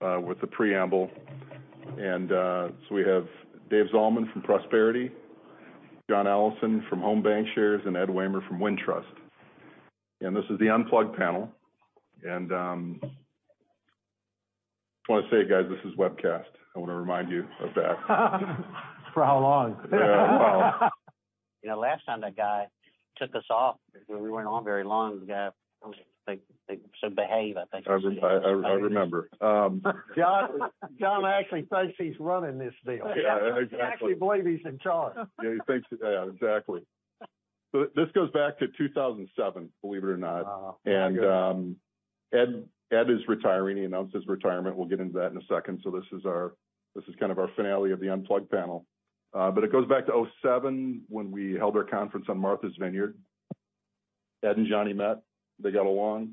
With the preamble. We have Dave Zalman from Prosperity, John Allison from Home BancShares, and Ed Wehmer from Wintrust. This is the Unplugged panel. Just want to say, guys, this is webcast. I want to remind you of that. For how long? Yeah, how long? You know, last time that guy took us off, we weren't on very long. They said, "Behave," I think. I remember. John actually thinks he's running this deal. Yeah, exactly. He actually believe he's in charge. Yeah, exactly. This goes back to 2007, believe it or not. Wow. Ed is retiring. He announced his retirement. We'll get into that in a second. This is kind of our finale of the Unplugged panel. It goes back to 2007 when we held our conference on Martha's Vineyard. Ed and Johnny met, they got along.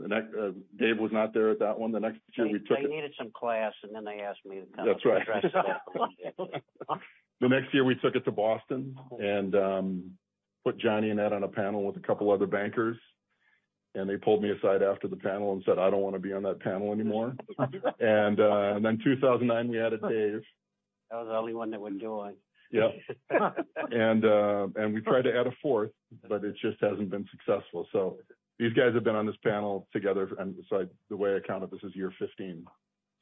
Dave was not there at that one. The next year, we took it. They needed some class, and then they asked me to come. That's right. The next year, we took it to Boston and put Johnny and Ed on a panel with a couple other bankers, and they pulled me aside after the panel and said, "I don't wanna be on that panel anymore." Then 2009 we added Dave. I was the only one that wouldn't go away. Yeah. And we tried to add a 4th, but it just hasn't been successful. These guys have been on this panel together and so the way I count it, this is year 15.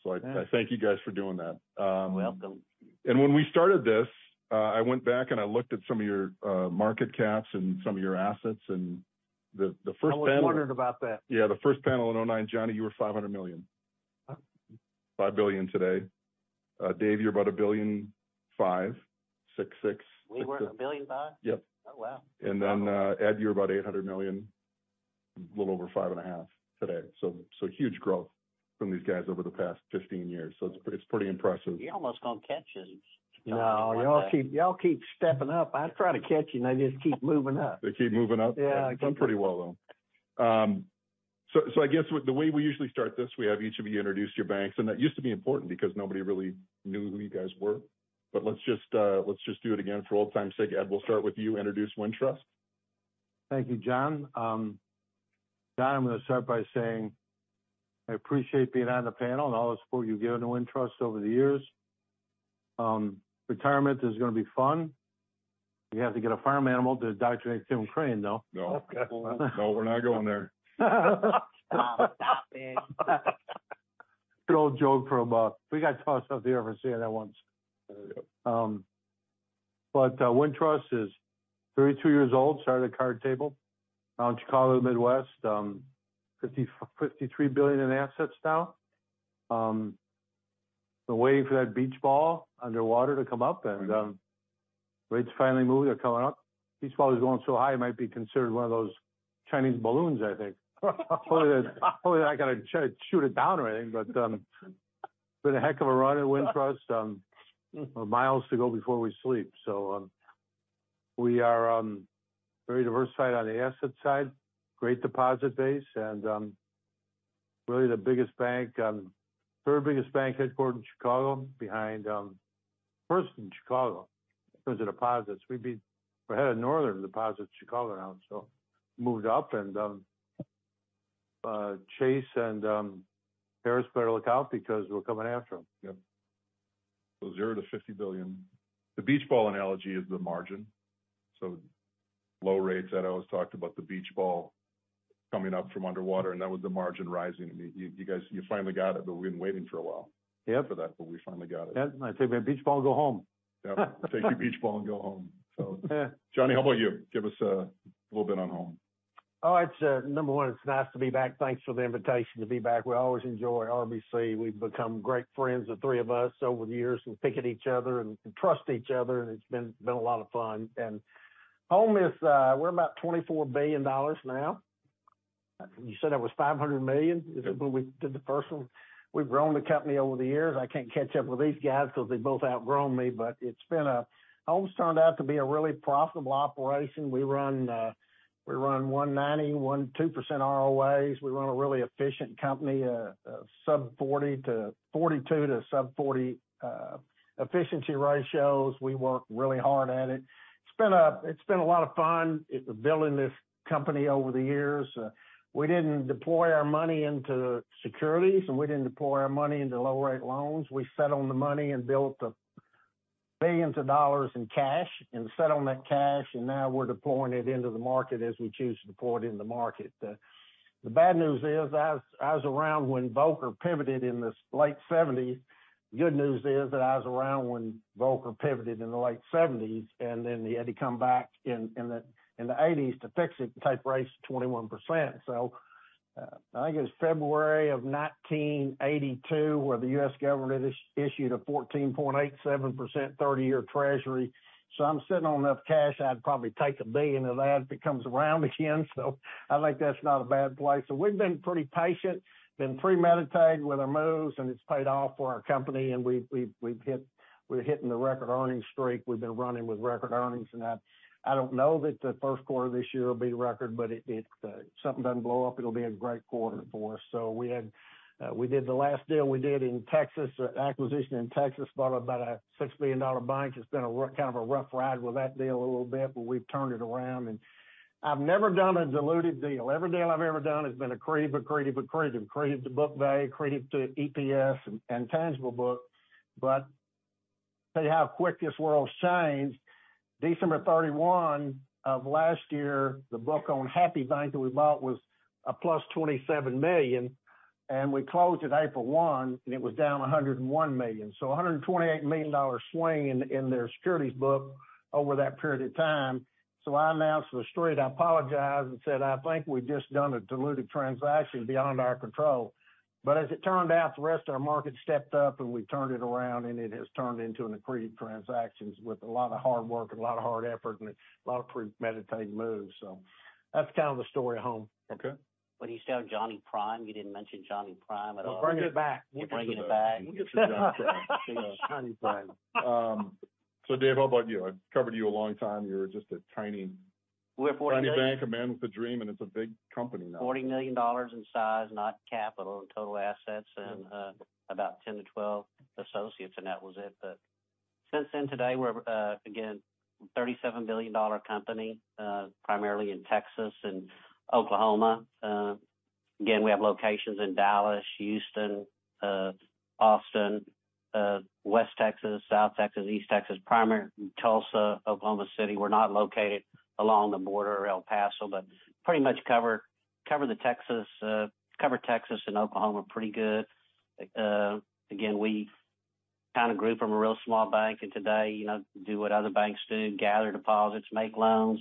I thank you guys for doing that. You're welcome. When we started this, I went back, and I looked at some of your market caps and some of your assets, and the first panel. I was wondering about that. Yeah, the first panel in 2009, Johnny, you were $500 million. Huh? $5 billion today. Dave, you're about $1.5 billion, 6.6. We were $1.5 billion? Yep. Oh, wow. Ed, you're about $800 million, a little over 5.5 today. Huge growth from these guys over the past 15 years. It's pretty impressive. You almost gonna catch us. No, y'all keep stepping up. I try to catch you, and they just keep moving up. They keep moving up? Yeah. Doing pretty well, though. I guess with the way we usually start this, we have each of you introduce your banks. That used to be important because nobody really knew who you guys were. Let's just, let's just do it again for old times' sake. Ed, we'll start with you. Introduce Wintrust. Thank you, John. John, I'm gonna start by saying I appreciate being on the panel and all the support you've given to Wintrust over the years. Retirement is gonna be fun. You have to get a farm animal to indoctrinate Tim Crane, though. No. Okay. No, we're not going there. Stop it. Good old joke from. We got tossed out the airport for saying that once. Wintrust is 32 years old, started a card table out in Chicago Midwest. $53 billion in assets now. been waiting for that beach ball underwater to come up, and rates finally moving. They're coming up. Beach ball is going so high, it might be considered one of those Chinese balloons I think. Hopefully I gotta try to shoot it down or anything but, been a heck of a run at Wintrust. miles to go before we sleep. we are very diversified on the asset side, great deposit base, and really the biggest bank, 3rd biggest bank headquartered in Chicago behind first in Chicago in terms of deposits. We're ahead of Northern deposits Chicago now, so moved up and Chase and Harris better look out because we're coming after them. Yep. $0-$50 billion. The beach ball analogy is the margin. Low rates that I always talked about the beach ball coming up from underwater, and that was the margin rising. You guys, you finally got it, but we've been waiting for a while. Yeah for that, but we finally got it. Yeah. I say my beach ball go home. Yeah. Take your beach ball and go home. Yeah. Johnny, how about you? Give us a little bit on Home. It's number one, it's nice to be back. Thanks for the invitation to be back. We always enjoy RBC. We've become great friends, the three of us, over the years. We pick at each other and trust each other, and it's been a lot of fun. Home is, we're about $24 billion now. You said I was $500 million. Yep. when we did the first one. We've grown the company over the years. I can't catch up with these guys because they both outgrown me, but it's been a. Home's turned out to be a really profitable operation. We run 2% ROAs. We run a really efficient company, sub-40% to 42% to sub-40% efficiency ratios. We work really hard at it. It's been a, it's been a lot of fun building this company over the years. We didn't deploy our money into securities, and we didn't deploy our money into low rate loans. We sat on the money and built a $ billions in cash and sat on that cash, and now we're deploying it into the market as we choose to deploy it in the market. The bad news is, I was around when Volcker pivoted in the late 1970s. The good news is that I was around when Volcker pivoted in the late 1970s, then he had to come back in the 1980s to fix it and take rates to 21%. I think it was February of 1982, where the U.S. government issued a 14.87% 30-year Treasury. I'm sitting on enough cash, I'd probably take $1 billion of that if it comes around again. I think that's not a bad place. We've been pretty patient, been premeditated with our moves, and it's paid off for our company. We're hitting the record earnings streak. We've been running with record earnings and that. I don't know that the first quarter of this year will be the record, but it, if something doesn't blow up, it'll be a great quarter for us. We had, we did the last deal we did in Texas, acquisition in Texas, bought about a $6 billion bank. It's been a rough, kind of a rough ride with that deal a little bit, but we've turned it around. I've never done a dilutive deal. Every deal I've ever done has been accretive, accretive. Accretive to book value, accretive to EPS and tangible book. Tell you how quick this world's changed. December 31 of last year, the book on Happy Bank that we bought was a +$27 million, and we closed it April one, and it was down $101 million. A $128 million swing in their securities book over that period of time. I announced to the street, I apologized and said, "I think we've just done a dilutive transaction beyond our control." As it turned out, the rest of our market stepped up, and we turned it around, and it has turned into an accreted transactions with a lot of hard work and a lot of hard effort and a lot of premeditated moves. That's kind of the story at home. Okay. What are you selling Jumbo Prime? You didn't mention Jumbo Prime at all. We're bringing it back. You're bringing it back. Dave, how about you? I've covered you a long time. We're $40 million. ...tiny bank, a man with a dream, and it's a big company now. $40 million in size, not capital, in total assets and about 10 to 12 associates, and that was it. Since then, today we're again a $37 billion company, primarily in Texas and Oklahoma. Again, we have locations in Dallas, Houston, Austin, West Texas, South Texas, East Texas, and Tulsa, Oklahoma City. We're not located along the border or El Paso, but pretty much cover the Texas, cover Texas and Oklahoma pretty good. Again, we kind of grew from a real small bank and today, you know, do what other banks do, gather deposits, make loans,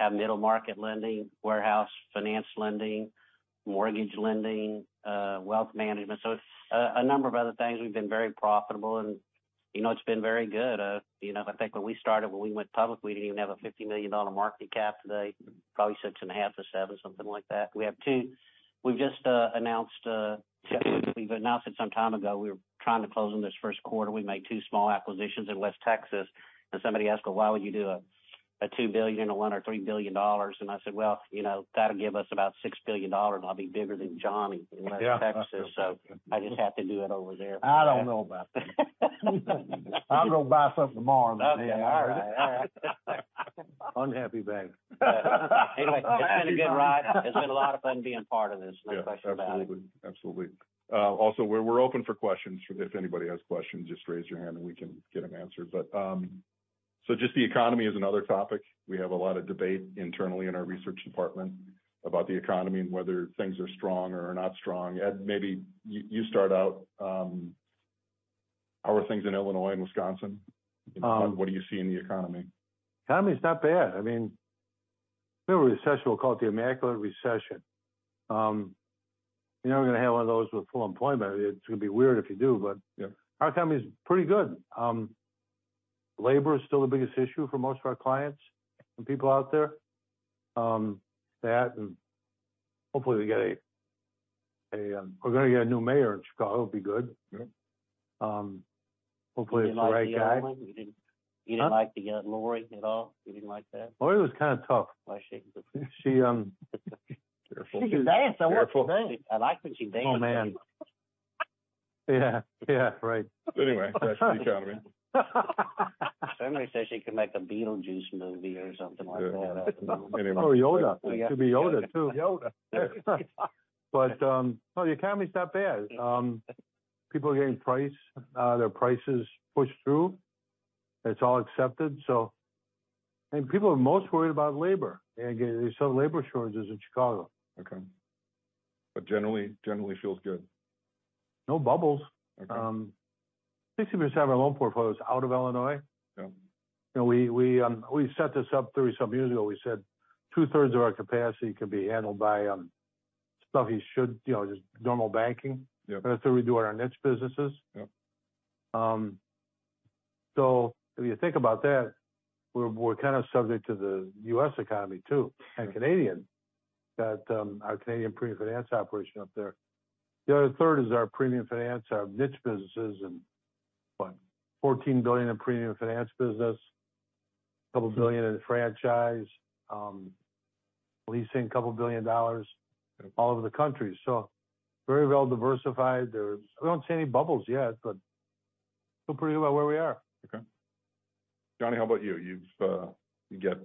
have middle market lending, warehouse finance lending, mortgage lending, wealth management. It's a number of other things. We've been very profitable and, you know, it's been very good. You know, I think when we started, when we went public, we didn't even have a $50 million market cap. Today, probably $6.5 billion or $7 billion, something like that. We've just announced, we've announced it some time ago. We were trying to close in this first quarter. We made two small acquisitions in West Texas. Somebody asked, "Well, why would you do a $2 billion to $1 billion or $3 billion?" I said, "Well, you know, that'll give us about $6 billion. I'll be bigger than John in West Texas." I just have to do it over there. I don't know about that. I'll go buy something tomorrow. Okay. All right. All right. Unhappy Bank. It's been a good ride. It's been a lot of fun being part of this, no question about it. Yeah, absolutely. Absolutely. Also, we're open for questions. If anybody has questions, just raise your hand and we can get them answered. Just the economy is another topic. We have a lot of debate internally in our research department about the economy and whether things are strong or not strong. Ed, maybe you start out. How are things in Illinois and Wisconsin? Um- What do you see in the economy? Economy is not bad. I mean, if we have a recession, we'll call it the immaculate recession. You're never gonna have one of those with full employment. It's gonna be weird if you do. Yeah... our economy is pretty good. labor is still the biggest issue for most of our clients and people out there. that and hopefully we get We're gonna get a new mayor in Chicago. It'll be good. Yeah. Hopefully it's the right guy. You didn't like the other one? Huh? You didn't like the Lori at all? You didn't like that? Lori was kind of tough. Why? She... She. Careful. She could dance. I watched her dance. I like when she dances. Oh, man. Yeah, yeah. Right. Anyway, back to the economy. Somebody said she could make a Beetlejuice movie or something like that. Yeah. Anyway. Yoda. She could be Yoda too. Yoda. No, the economy's not bad. People are getting their prices pushed through. It's all accepted. People are most worried about labor. They sell labor shortages in Chicago. Okay. Generally feels good. No bubbles. Okay. 60% of our loan portfolio is out of Illinois. Yeah. You know, we set this up 30 some years ago. We said 2/3 of our capacity could be handled by, stuff you should, you know, just normal banking. Yeah. The other third, we do our niche businesses. Yeah. If you think about that, we're kind of subject to the U.S. economy too, and Canadian. Got our Canadian premium finance operation up there. The other third is our premium finance, our niche businesses and, what, $14 billion in premium finance business, $2 billion in franchise, leasing $2 billion. Okay all over the country. Very well diversified. We don't see any bubbles yet, but feel pretty good about where we are. Okay. Johnny, how about you? You've, you get,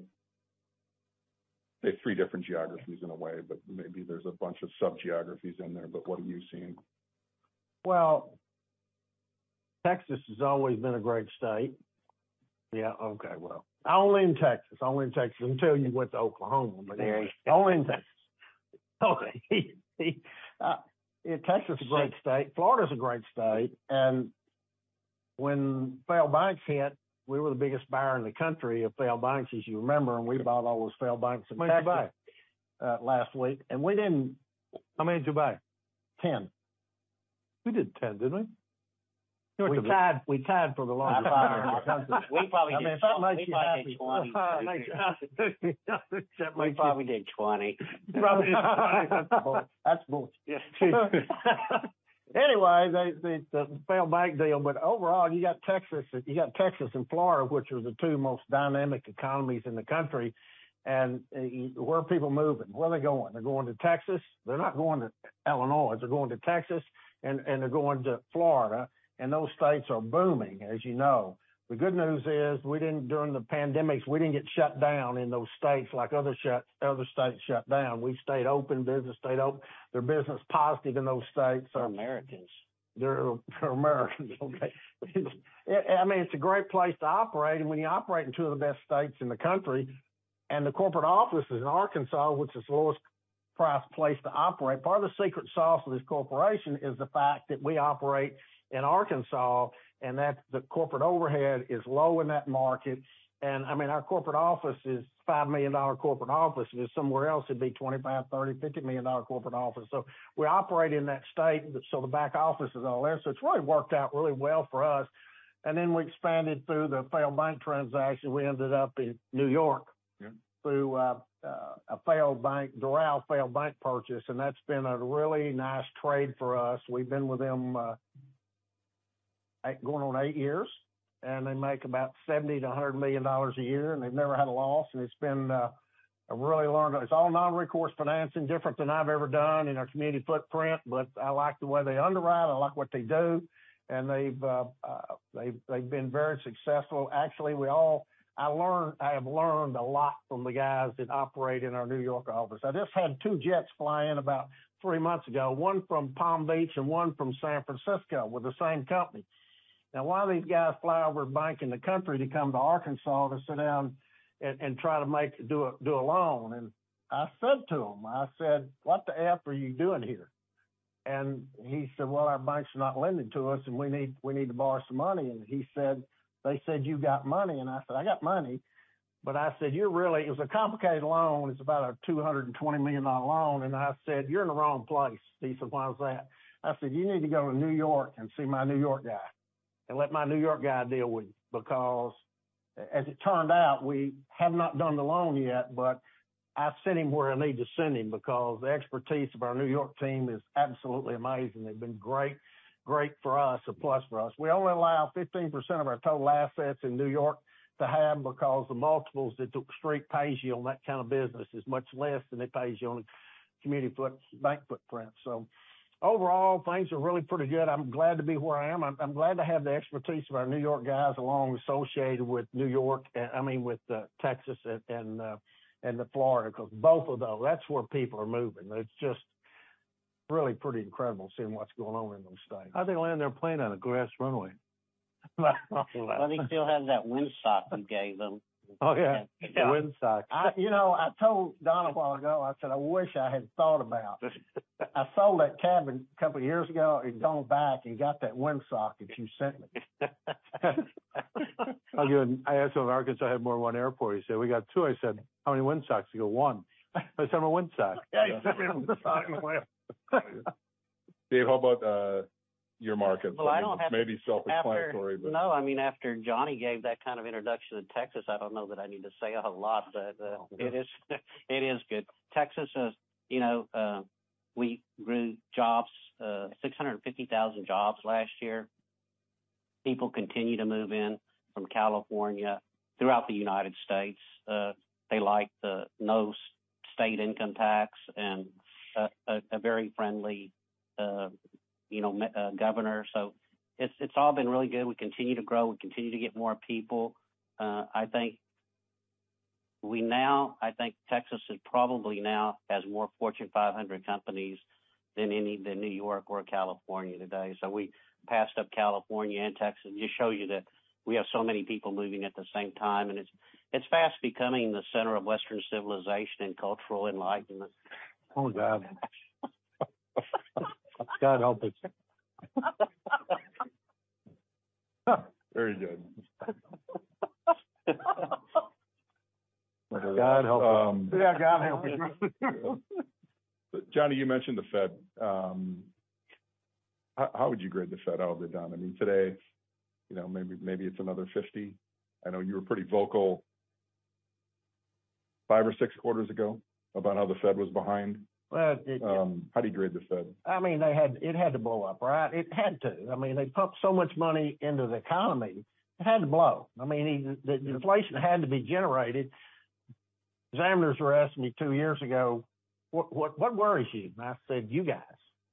I'd say three different geographies in a way, but maybe there's a bunch of subgeographies in there, but what are you seeing? Well, Texas has always been a great state. Yeah. Okay, well. Only in Texas. Only in Texas until you went to Oklahoma. There you go. Only in Texas. Okay. Texas is a great state. Florida's a great state. When failed banks hit, we were the biggest buyer in the country of failed banks, as you remember, and we bought all those failed banks in Texas. How many did you buy? last week. we didn't- How many did you buy? 10. We did 10, didn't we? We tied for the largest buyer in the country. We probably did 20. We probably did 20. Probably. That's bullshit. Anyway, they the failed bank deal. Overall, you got Texas, you got Texas and Florida, which are the two most dynamic economies in the country. Where are people moving? Where are they going? They're going to Texas. They're not going to Illinois. They're going to Texas and they're going to Florida. Those states are booming, as you know. The good news is we didn't during the pandemic. We didn't get shut down in those states like other states shut down. We stayed open. Business stayed open. Their business positive in those states. They're Americans. They're Americans. Okay. I mean, it's a great place to operate, and when you operate in two of the best states in the country. The corporate office is in Arkansas, which is the lowest priced place to operate. Part of the secret sauce of this corporation is the fact that we operate in Arkansas, and that the corporate overhead is low in that market. I mean, our corporate office is a $5 million corporate office. If it was somewhere else, it'd be $25 million, $30 million, $50 million corporate office. We operate in that state, so the back office is all there. It's really worked out really well for us. Then we expanded through the failed bank transaction. We ended up in New York. Yeah. -through a failed bank, Doral Bank purchase, and that's been a really nice trade for us. We've been with them eight years, and they make about $70 million-$100 million a year, and they've never had a loss. It's all non-recourse financing, different than I've ever done in our community footprint. I like the way they underwrite, I like what they do, and they've been very successful. Actually, I have learned a lot from the guys that operate in our New York office. I just had two jets fly in about three months ago, one from Palm Beach and one from San Francisco, with the same company. Why do these guys fly over, banking the country to come to Arkansas to sit down and try to make a loan? I said to him, I said, "What the F are you doing here?" He said, "Well, our bank's not lending to us, and we need to borrow some money." He said, "They said you got money." I said, "I got money," but I said, "You're really..." It was a complicated loan. It's about a $220 million loan. I said, "You're in the wrong place." He said, "Why is that?" I said, "You need to go to New York and see my New York guy and let my New York guy deal with you." As it turned out, we have not done the loan yet, but I sent him where I need to send him because the expertise of our New York team is absolutely amazing. They've been great for us, a plus for us. We only allow 15% of our total assets in New York to have because the multiples they took straight pays you on that kind of business is much less than it pays you on a community bank footprint. Overall, things are really pretty good. I'm glad to be where I am. I'm glad to have the expertise of our New York guys along associated with New York. I mean, with Texas and the Florida, because both of those, that's where people are moving. It's just really pretty incredible seeing what's going on in those states. How'd they land their plane on a grass runway? Well, they still have that wind sock you gave them. Oh, yeah. The wind sock. You know, I told Don a while ago, I said, "I wish I had thought about..." I sold that cabin a couple of years ago. He'd gone back and got that wind sock that you sent me. I asked him if Arkansas had more than 1 airport. He said, "We got two." I said, "How many wind socks?" He go, "one." I said, "A wind sock. Yeah. Dave, how about your markets? Well, I don't have- It may be self-explanatory. No, I mean, after Johnny gave that kind of introduction to Texas, I don't know that I need to say a lot. It is good. Texas, as you know, we grew jobs, 650,000 jobs last year. People continue to move in from California throughout the United States. They like the no state income tax and a very friendly, you know, governor. It's all been really good. We continue to grow, we continue to get more people. I think Texas is probably now has more Fortune 500 companies than New York or California today. We passed up California, and Texas just show you that we have so many people moving at the same time, and it's fast becoming the center of Western civilization and cultural enlightenment. Oh, God. God help us. Very good. God help us. Yeah, God help us. Johnny, you mentioned the Fed. How would you grade the Fed out of the Dom? I mean, today, you know, maybe it's another 50. I know you were pretty vocal five or six quarters ago about how the Fed was behind. Well, it... How do you grade the Fed? I mean, it had to blow up, right? It had to. I mean, they pumped so much money into the economy, it had to blow. I mean, the inflation had to be generated. Examiners were asking me two years ago, "What worries you?" I said, "You guys,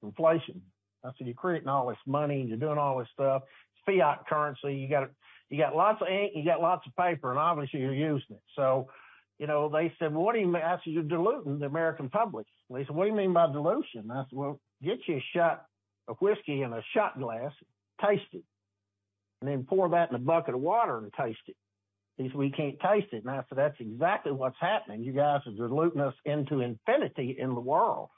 inflation." I said, "You're creating all this money and you're doing all this stuff. It's fiat currency. You got lots of ink, you got lots of paper, and obviously you're using it." You know, they said, "What do you?" I said, "You're diluting the American public." They said, "What do you mean by dilution?" I said, "Well, get you a shot of whiskey in a shot glass, taste it, and then pour that in a bucket of water and taste it." He said, "We can't taste it." I said, "That's exactly what's happening. You guys are diluting us into infinity in the world."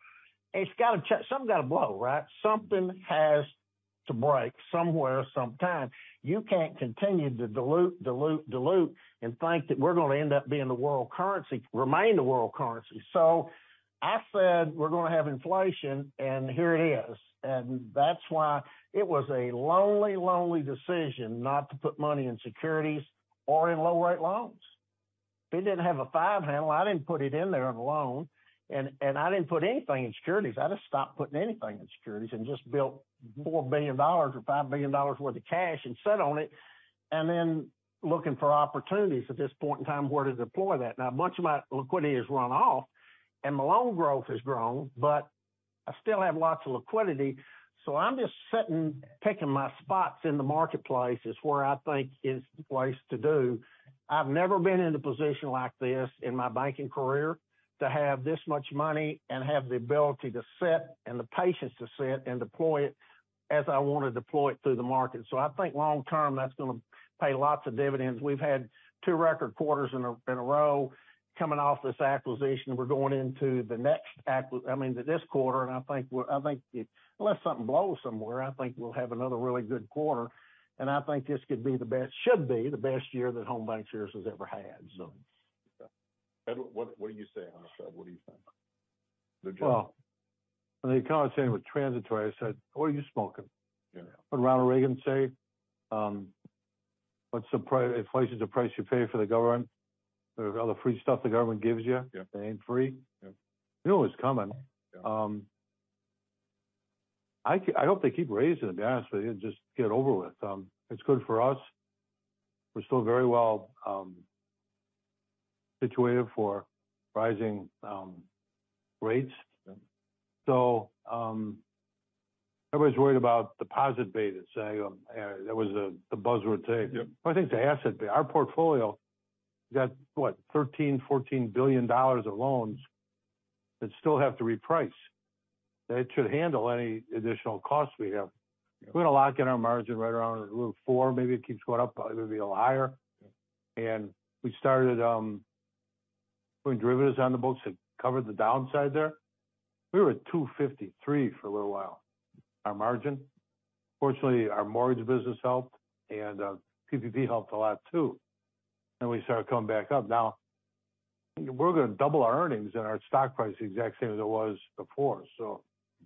Something's gotta blow, right? Something has to break somewhere, sometime. You can't continue to dilute, dilute and think that we're gonna end up being the world currency, remain the world currency. I said, "We're gonna have inflation," and here it is. That's why it was a lonely decision not to put money in securities or in low rate loans. If it didn't have a five handle, I didn't put it in there of a loan, and I didn't put anything in securities. I just stopped putting anything in securities and just built $4 billion or $5 billion worth of cash and sit on it, and then looking for opportunities at this point in time where to deploy that. Now much of my liquidity has run off and my loan growth has grown, but I still have lots of liquidity, I'm just sitting, picking my spots in the marketplace is where I think is the place to do. I've never been in a position like this in my banking career to have this much money and have the ability to sit and the patience to sit and deploy it as I want to deploy it through the market. I think long term, that's gonna pay lots of dividends. We've had two record quarters in a row coming off this acquisition. We're going into I mean, this quarter, and I think unless something blows somewhere, I think we'll have another really good quarter. I think this could be the best, should be the best year that Home BancShares has ever had, so. Ed, what do you say on this? What do you think? The job. When they kept saying it was transitory, I said, "What are you smoking? Yeah. What Ronald Reagan say? Inflation's the price you pay for the government. All the free stuff the government gives you. Yeah. It ain't free. Yeah. We knew it was coming. I hope they keep raising it, honestly, and just get it over with. It's good for us. We're still very well situated for rising rates. Yeah. Everybody's worried about deposit beta, say, that was the buzzword today. Yeah. I think the asset beta. Our portfolio has got, what, $13 billion-$14 billion of loans that still have to reprice. It should handle any additional costs we have. Yeah. We had a lock in our margin right around 4%. Maybe it keeps going up, probably would be a little higher. Yeah. We started putting derivatives on the books that covered the downside there. We were at 253 for a little while, our margin. Fortunately, our mortgage business helped and PPP helped a lot too. We started coming back up. We're gonna double our earnings and our stock price the exact same as it was before.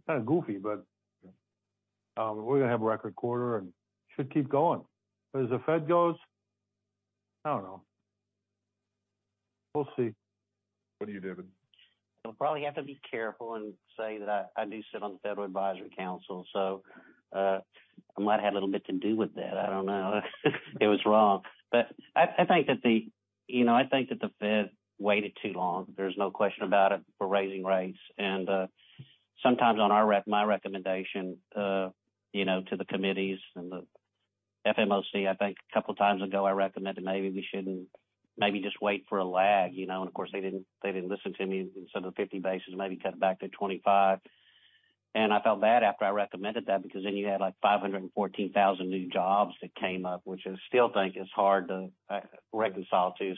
Kinda goofy. Yeah we're gonna have a record quarter and should keep going. As the Fed goes, I don't know. We'll see. What are you, David? I'll probably have to be careful and say that I do sit on the Federal Advisory Council, so I might have a little bit to do with that. I don't know, it was wrong. I think that the... You know, I think that the Fed waited too long. There's no question about it for raising rates. Sometimes on my recommendation, you know, to the committees and the FOMC, I think a couple times ago, I recommended maybe we shouldn't maybe just wait for a lag, you know. Of course, they didn't, they didn't listen to me. Instead of 50 basis, maybe cut it back to 25. I felt bad after I recommended that, because then you had like 514,000 new jobs that came up, which I still think is hard to reconcile to.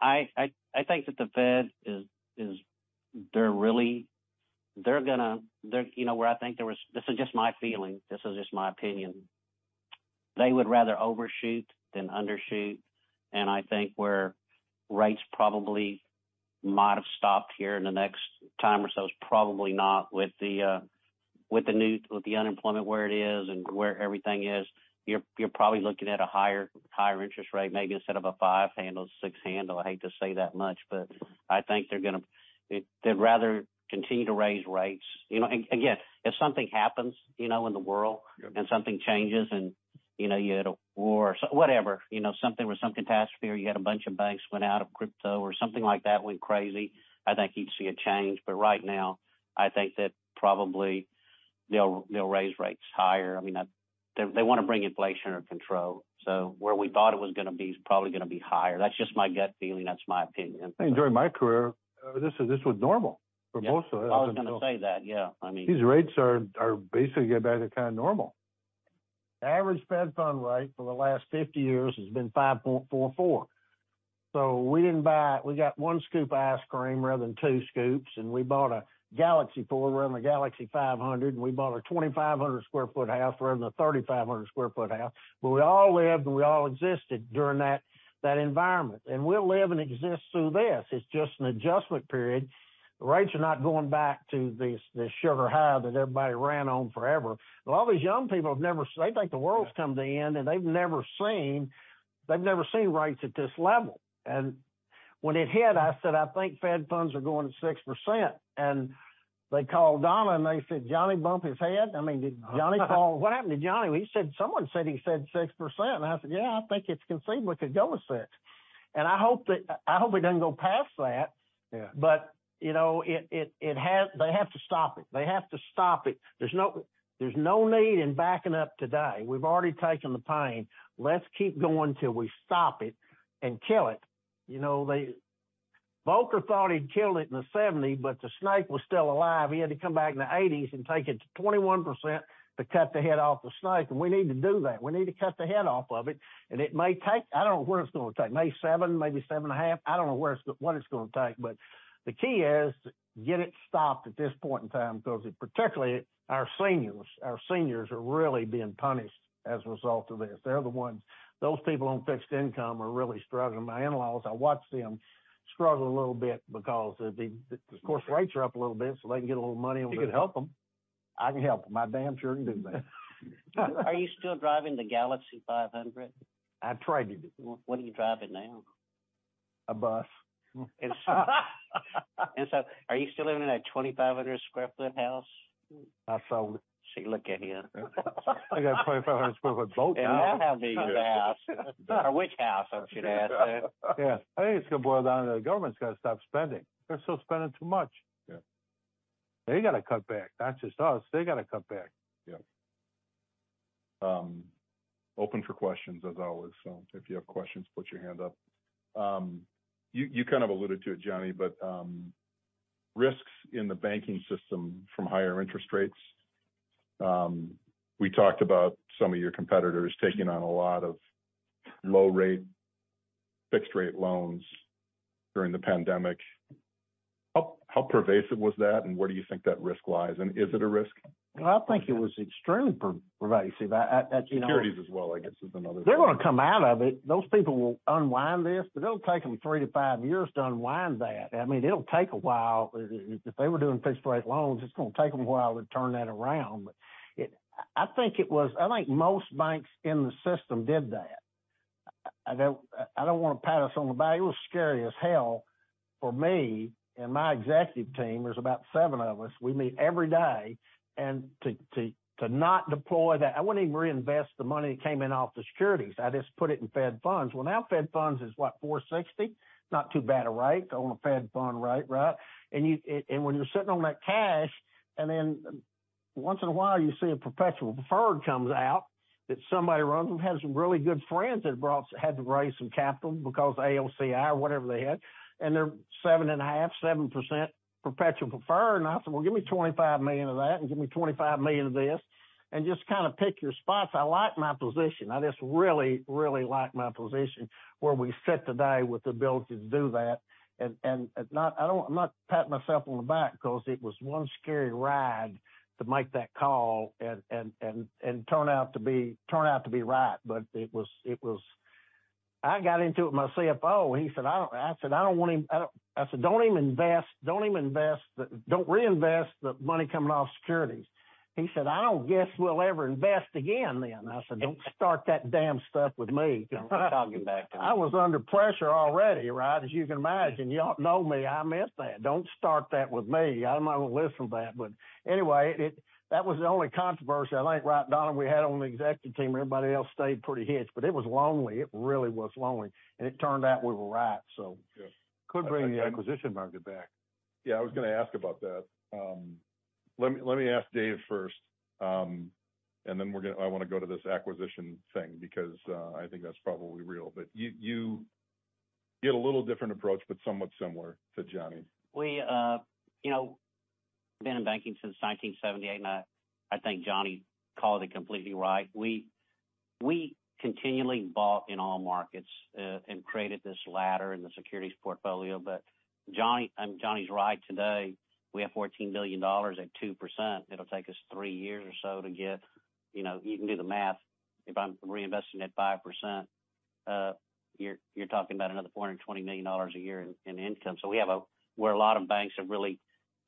I think that the Fed is. This is just my feeling, this is just my opinion. They would rather overshoot than undershoot. I think where rates probably might have stopped here in the next time or so is probably not with the unemployment where it is and where everything is. You're probably looking at a higher interest rate, maybe instead of a five handle, it's six handle. I hate to say that much, but I think they'd rather continue to raise rates. You know, again, if something happens, you know, in the world- Yeah... and something changes and, you know, you had a war or so, whatever. You know, something or some catastrophe, or you had a bunch of banks went out of crypto or something like that went crazy, I think you'd see a change. Right now, I think that probably they'll raise rates higher. I mean, They wanna bring inflation under control. Where we thought it was gonna be is probably gonna be higher. That's just my gut feeling, that's my opinion. I think during my career, this was normal for most of it. Yeah. I was gonna say that, yeah. These rates are basically getting back to kinda normal. The average Fed funds rate for the last 50 years has been 5.44. We got one scoop of ice cream rather than two scoops, and we bought a G4 rather than a G500, and we bought a 2,500 sq ft house rather than a 3,500 sq ft house. We all lived and we all existed during that environment. We'll live and exist through this. It's just an adjustment period. The rates are not going back to this sugar high that everybody ran on forever. A lot of these young people have never. They think the world's coming to end, and they've never seen rates at this level. When it hit, I said, "I think Fed funds are going to 6%." They called Don and they said, "Johnny bumped his head?" I mean, did Johnny call? What happened to John? Someone said he said 6%. I said, "Yeah, I think it's conceivable it could go to 6%." I hope it doesn't go past that. Yeah. You know, they have to stop it. They have to stop it. There's no need in backing up today. We've already taken the pain. Let's keep going till we stop it and kill it. You know, Volcker thought he'd killed it in the 1970s, but the snake was still alive. He had to come back in the 1980s and take it to 21% to cut the head off the snake. We need to do that. We need to cut the head off of it. It may take... I don't know what it's gonna take. Maybe 7%, maybe 7.5%. I don't know where it's what it's gonna take. The key is to get it stopped at this point in time, because it, particularly our seniors are really being punished as a result of this. They're the ones. Those people on fixed income are really struggling. My in-laws, I watch them struggle a little bit because of the. Of course, rates are up a little bit, so they can get a little money. You can help them. I can help them. I damn sure can do that. Are you still driving the G500? I tried to. What are you driving now? A bus. Are you still living in that 2,500 sq ft house? I sold it. See, look at you. I got a 2,500 sq ft boat now. Now how big is the house? Which house, I should ask. Yeah. I think it's gonna boil down to the government's gotta stop spending. They're still spending too much. Yeah. They gotta cut back. Not just us, they gotta cut back. Yeah. Open for questions as always. If you have questions, put your hand up. You kind of alluded to it, Johnny, but risks in the banking system from higher interest rates. We talked about some of your competitors taking on a lot of low rate, fixed rate loans during the pandemic. How pervasive was that, and where do you think that risk lies? Is it a risk? Well, I think it was extremely pervasive. I. You know. Securities as well, I guess, is another thing. They're gonna come out of it. Those people will unwind this, but it'll take them three to five years to unwind that. I mean, it'll take a while. If they were doing fixed rate loans, it's gonna take them a while to turn that around. I think most banks in the system did that. I don't wanna pat us on the back. It was scary as hell for me and my executive team. There's about seven of us. We meet every day and to not deploy that. I wouldn't even reinvest the money that came in off the securities. I just put it in Fed funds. Well, now Fed funds is, what, 4.60%? Not too bad, all right. Go on a Fed fund, right. When you're sitting on that cash, then once in a while, you see a perpetual preferred comes out that somebody runs and has some really good friends that had to raise some capital because AOCI or whatever they had, they're 7.5%, 7% perpetual preferred. I said, "Well, give me $25 million of that, give me $25 million of this." Just kinda pick your spots. I like my position. I just really like my position where we sit today with the ability to do that. Not... I'm not patting myself on the back 'cause it was one scary ride to make that call turn out to be right. It was... I got into it with my CFO. He said, I don't... I said, "I don't want him..." I said, "Don't even invest, don't reinvest the money coming off securities." He said, "I don't guess we'll ever invest again then." I said, "Don't start that damn stuff with me. Talking back. I was under pressure already, right? As you can imagine, y'all know me. I meant that. Don't start that with me. I'm not gonna listen to that. Anyway, it that was the only controversy, I think, right, Donald, we had on the executive team, everybody else stayed pretty hitched. It was lonely. It really was lonely. It turned out we were right. Yes. Could bring the acquisition market back. Yeah, I was gonna ask about that. Let me ask Dave first. Then I wanna go to this acquisition thing because, I think that's probably real. You, you get a little different approach, but somewhat similar to Johnny. We, you know, been in banking since 1978, and I think Johnny called it completely right. We continually bought in all markets, and created this ladder in the securities portfolio. Johnny's right. Today, we have $14 billion at 2%. It'll take us three years or so to get, you know, you can do the math. If I'm reinvesting at 5%, you're talking about another $420 million a year in income. Where a lot of banks have really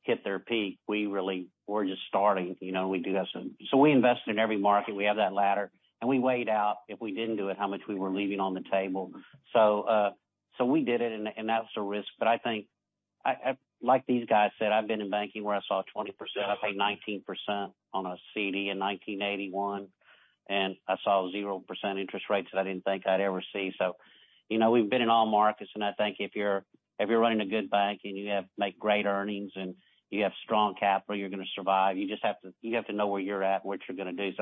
hit their peak, we're just starting. You know, we do have some. We invested in every market. We have that ladder, and we weighed out, if we didn't do it, how much we were leaving on the table. We did it, and that was a risk. I think like these guys said, I've been in banking where I saw 20%. I paid 19% on a CD in 1981, and I saw 0% interest rates that I didn't think I'd ever see. You know, we've been in all markets, and I think if you're, if you're running a good bank and you have make great earnings and you have strong capital, you're gonna survive. You just have to, you have to know where you're at, what you're gonna do.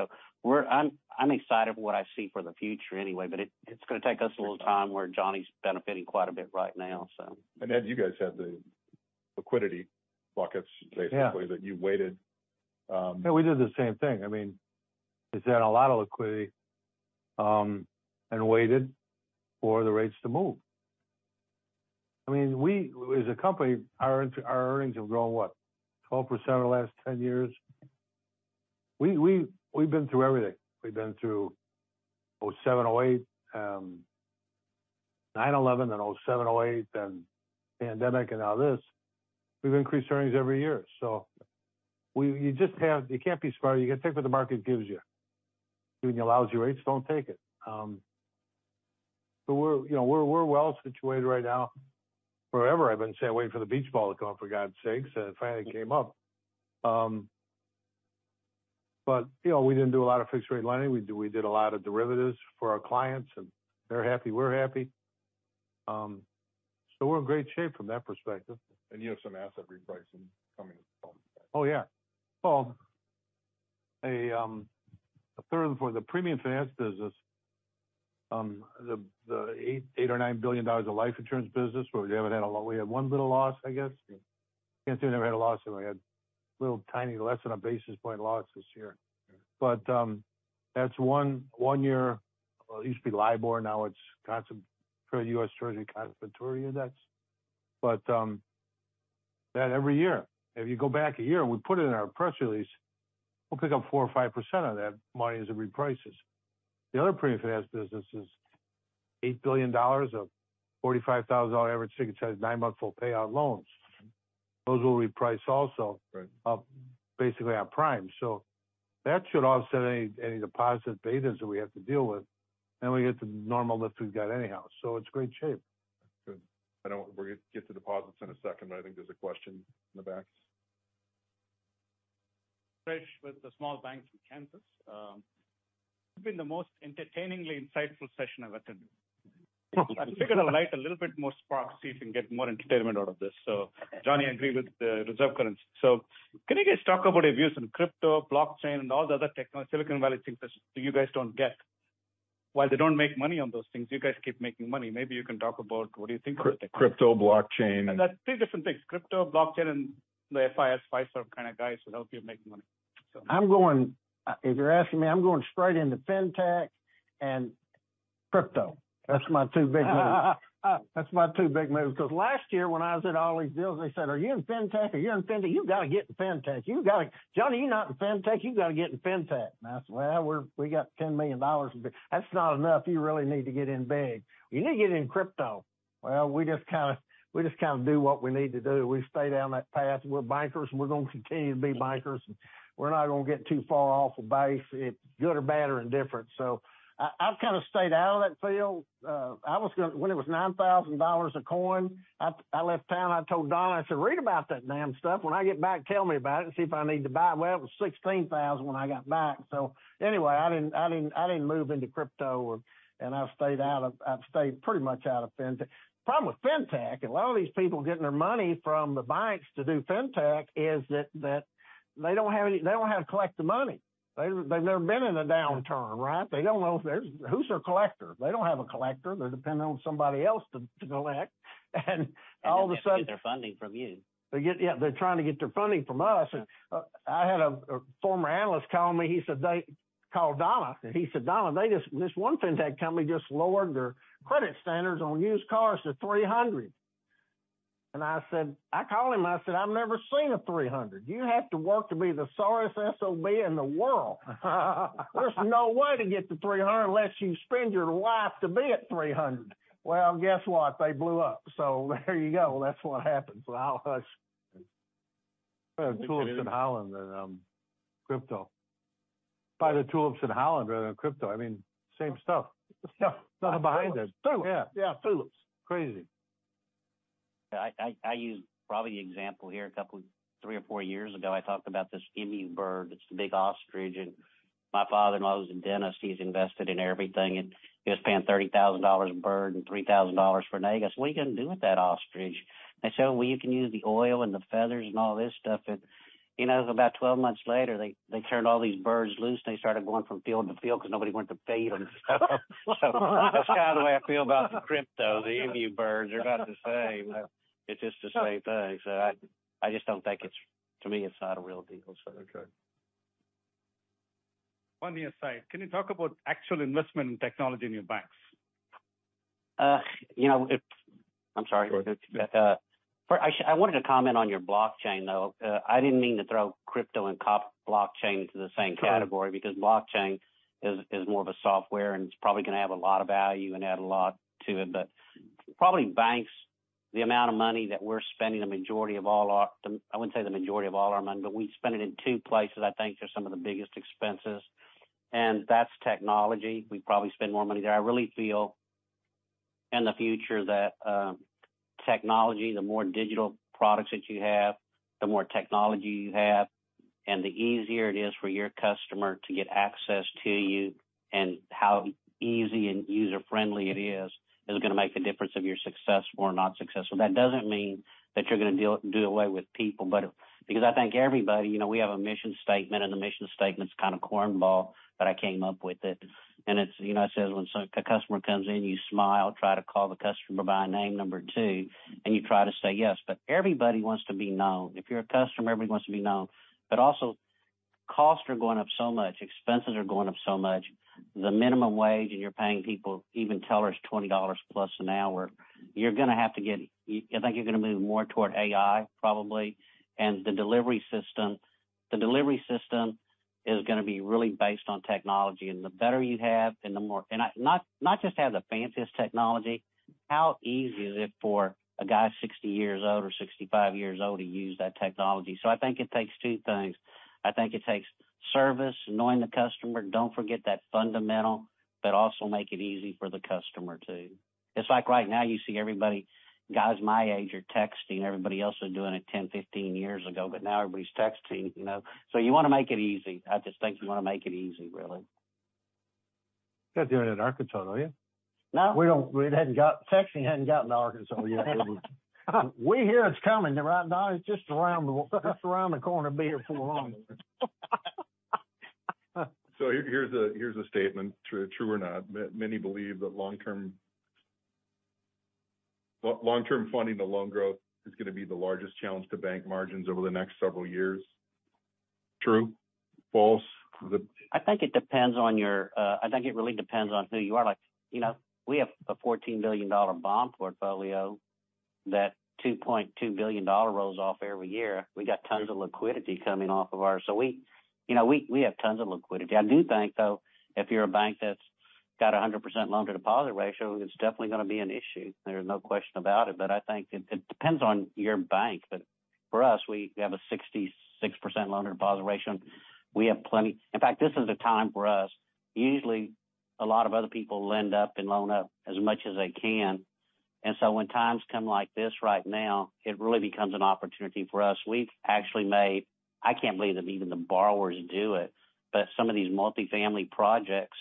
I'm excited for what I see for the future anyway, but it's gonna take us a little time where Johnny's benefiting quite a bit right now, so. Ed, you guys have the liquidity buckets. Yeah. basically, that you weighted. Yeah, we did the same thing. I mean, is that a lot of liquidity, and waited for the rates to move. I mean, we as a company, our earnings, our earnings have grown, what? 12% in the last 10 years. We've been through everything. We've been through oh-seven, oh-eight, 9/11, then oh-seven, oh-eight, then pandemic, and now this. We've increased earnings every year. You can't be smart. You gotta take what the market gives you. When it allows you rates, don't take it. We're, you know, we're well situated right now. Forever, I've been sitting, waiting for the beach ball to come up, for God's sakes. It finally came up. You know, we didn't do a lot of fixed rate lending. We did a lot of derivatives for our clients, and they're happy, we're happy. We're in great shape from that perspective. You have some asset repricing coming up. Oh, yeah. Well, a term for the premium finance business, the $8 billion-$9 billion of life insurance business where we haven't had a we had one little loss, I guess. Can't say we never had a loss. We had little tiny less than a basis point loss this year. Yeah. That's one year, it used to be LIBOR, now it's for U.S. Treasury constant maturity index. That every year. If you go back a year, and we put it in our press release, we'll pick up 4% or 5% of that money as it reprices. The other premium finance business is $8 billion of $45,000 average ticket size, nine month full payout loans. Those will reprice also. Right. up basically our prime. That should offset any deposit betas that we have to deal with. We get the normal lift we've got anyhow. It's great shape. Good. I know we're gonna get to deposits in a second, but I think there's a question in the back. Fresh with the small banks of Kansas, this has been the most entertainingly insightful session I've attended. I figured I'd light a little bit more sparks so you can get more entertainment out of this. Johnny, I agree with the reserve currency. Can you guys talk about your views on crypto, blockchain and all the other Silicon Valley things that you guys don't get? While they don't make money on those things, you guys keep making money. Maybe you can talk about what do you think about tech? Crypto, blockchain That's three different things. crypto, blockchain, and the FIS, Fiserv kind of guys that help you make money. So. If you're asking me, I'm going straight into fintech and crypto. That's my two big moves. That's my two big moves. Because last year when I was at all these deals, they said, "Are you in fintech? Are you in fintech? You gotta get in fintech. Johnny, are you not in fintech? You gotta get in fintech." I said, "Well, we got $10 million." "That's not enough. You really need to get in big. You need to get in crypto." Well, we just kinda do what we need to do. We stay down that path. We're bankers, and we're gonna continue to be bankers, and we're not gonna get too far off of base if good or bad or indifferent. I've kinda stayed out of that field. When it was $9,000 a coin, I left town. I told Don, I said, "Read about that damn stuff. When I get back, tell me about it and see if I need to buy." Well, it was $16,000 when I got back. Anyway, I didn't move into crypto. I've stayed pretty much out of fintech. The problem with fintech, a lot of these people getting their money from the banks to do fintech is that they don't know how to collect the money. They've never been in a downturn, right? They don't know if there's. Who's their collector? They don't have a collector. They're depending on somebody else to collect. All of a sudden- They get their funding from you. Yeah, they're trying to get their funding from us. I had a former analyst call me, he said, "Call Don," and he said, "Don, this one fintech company just lowered their credit standards on used cars to 300." I called him, I said, "I've never seen a 300. You have to work to be the sorest SOB in the world." There's no way to get to 300 unless you spend your life to be at 300. Guess what? They blew up. There you go. That's what happens with all those. Tulips in Holland than crypto. Buy the tulips in Holland rather than crypto. I mean, same stuff. Yeah. Nothing behind this. Tulips. Yeah. Yeah, tulips. Crazy. Yeah, I use probably the example here three or four years ago, I talked about this emu bird. It's a big ostrich. My father-in-law is a dentist. He's invested in everything, and he was paying $30,000 a bird and $3,000 for an egg. I said, "What are you gonna do with that ostrich?" You can use the oil and the feathers and all this stuff. You know, about 12 months later, they turned all these birds loose, and they started going from field to field because nobody wanted to pay them. That's kinda the way I feel about the crypto, the emu birds. They're about the same. It's just the same thing. I just don't think it's. To me, it's not a real deal. Okay. On the aside, can you talk about actual investment in technology in your banks? you know, I'm sorry. Go ahead. I wanted to comment on your blockchain, though. I didn't mean to throw crypto and blockchain into the same category... Right. because blockchain is more of a software, and it's probably gonna have a lot of value and add a lot to it. Probably banks, the amount of money that we're spending, I wouldn't say the majority of all our money, but we spend it in two places I think they're some of the biggest expenses, and that's technology. We probably spend more money there. I really feel in the future that technology, the more digital products that you have, the more technology you have, and the easier it is for your customer to get access to you and how easy and user-friendly it is gonna make a difference if you're successful or not successful. That doesn't mean that you're gonna do away with people, but... I think everybody, you know, we have a mission statement. The mission statement's kinda cornball, but I came up with it. It's, you know, it says, when a customer comes in, you smile, try to call the customer by name number two, and you try to say yes. Everybody wants to be known. If you're a customer, everybody wants to be known. Also, costs are going up so much, expenses are going up so much. The minimum wage, and you're paying people, even tellers, $20+ an hour. I think you're gonna move more toward AI, probably. The delivery system is gonna be really based on technology. The better you have and the more... Not just have the fanciest technology. How easy is it for a guy 60 years old or 65 years old to use that technology? I think it takes two things. I think it takes service, knowing the customer, don't forget that fundamental, but also make it easy for the customer too. It's like right now, you see everybody, guys my age are texting. Everybody else was doing it 10, 15 years ago, but now everybody's texting, you know. You wanna make it easy. I just think you wanna make it easy, really. You guys aren't doing it in Arkansas, are you? No. We hadn't gotten to Arkansas yet. We hear it's coming, right? Now it's just around the corner, be here before long. Here's a statement, true or not. Many believe that long-term funding the loan growth is going to be the largest challenge to bank margins over the next several years. True? False? I think it depends on your, I think it really depends on who you are. Like, you know, we have a $14 billion bond portfolio that $2.2 billion rolls off every year. We got tons of liquidity coming off of our. We, you know, we have tons of liquidity. I do think, though, if you're a bank that's got a 100% loan-to-deposit ratio, it's definitely gonna be an issue. There's no question about it. I think it depends on your bank. For us, we have a 66% loan-to-deposit ratio. We have plenty. In fact, this is a time for us. Usually, a lot of other people lend up and loan up as much as they can. When times come like this right now, it really becomes an opportunity for us. We've actually made... I can't believe that even the borrowers do it, but some of these multifamily projects,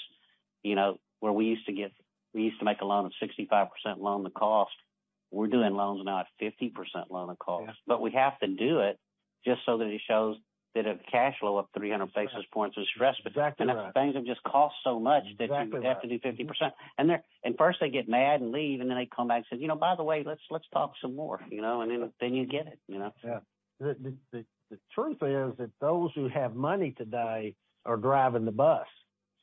you know, where we used to make a loan of 65% loan the cost, we're doing loans now at 50% loan of cost. Yeah. We have to do it just so that it shows that a cash flow of 300 basis points is stressed. Exactly right. things have just cost so much. Exactly right.... that you have to do 50%. First they get mad and leave, then they come back and say, "You know, by the way, let's talk some more," you know? Then you get it, you know? Yeah. The truth is that those who have money today are driving the bus,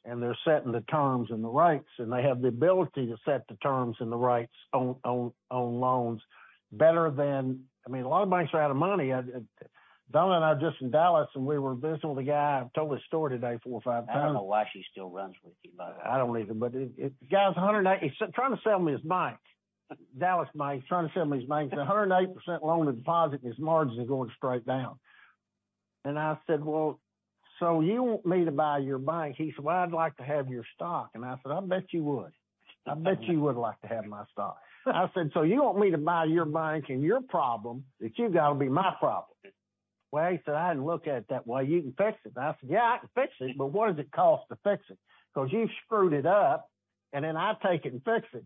and they're setting the terms and the rights, and they have the ability to set the terms and the rights on loans better than... I mean, a lot of banks are out of money. Donald and I were just in Dallas, and we were visiting with a guy. I told this story today four or five times. I don't know why she still runs with you, bud. I don't either. The guy's 108... He's trying to sell me his bank. Dallas bank. He's trying to sell me his bank. It's 108% loan-to-deposit, and his margins are going straight down. I said, "Well, you want me to buy your bank?" He said, "Well, I'd like to have your stock." I said, "I bet you would. I bet you would like to have my stock." I said, "You want me to buy your bank, and your problem that you got will be my problem?" "Well," he said, "I hadn't looked at it that way. You can fix it." I said, "Yeah, I can fix it, but what does it cost to fix it? 'Cause you screwed it up, and then I take it and fix it."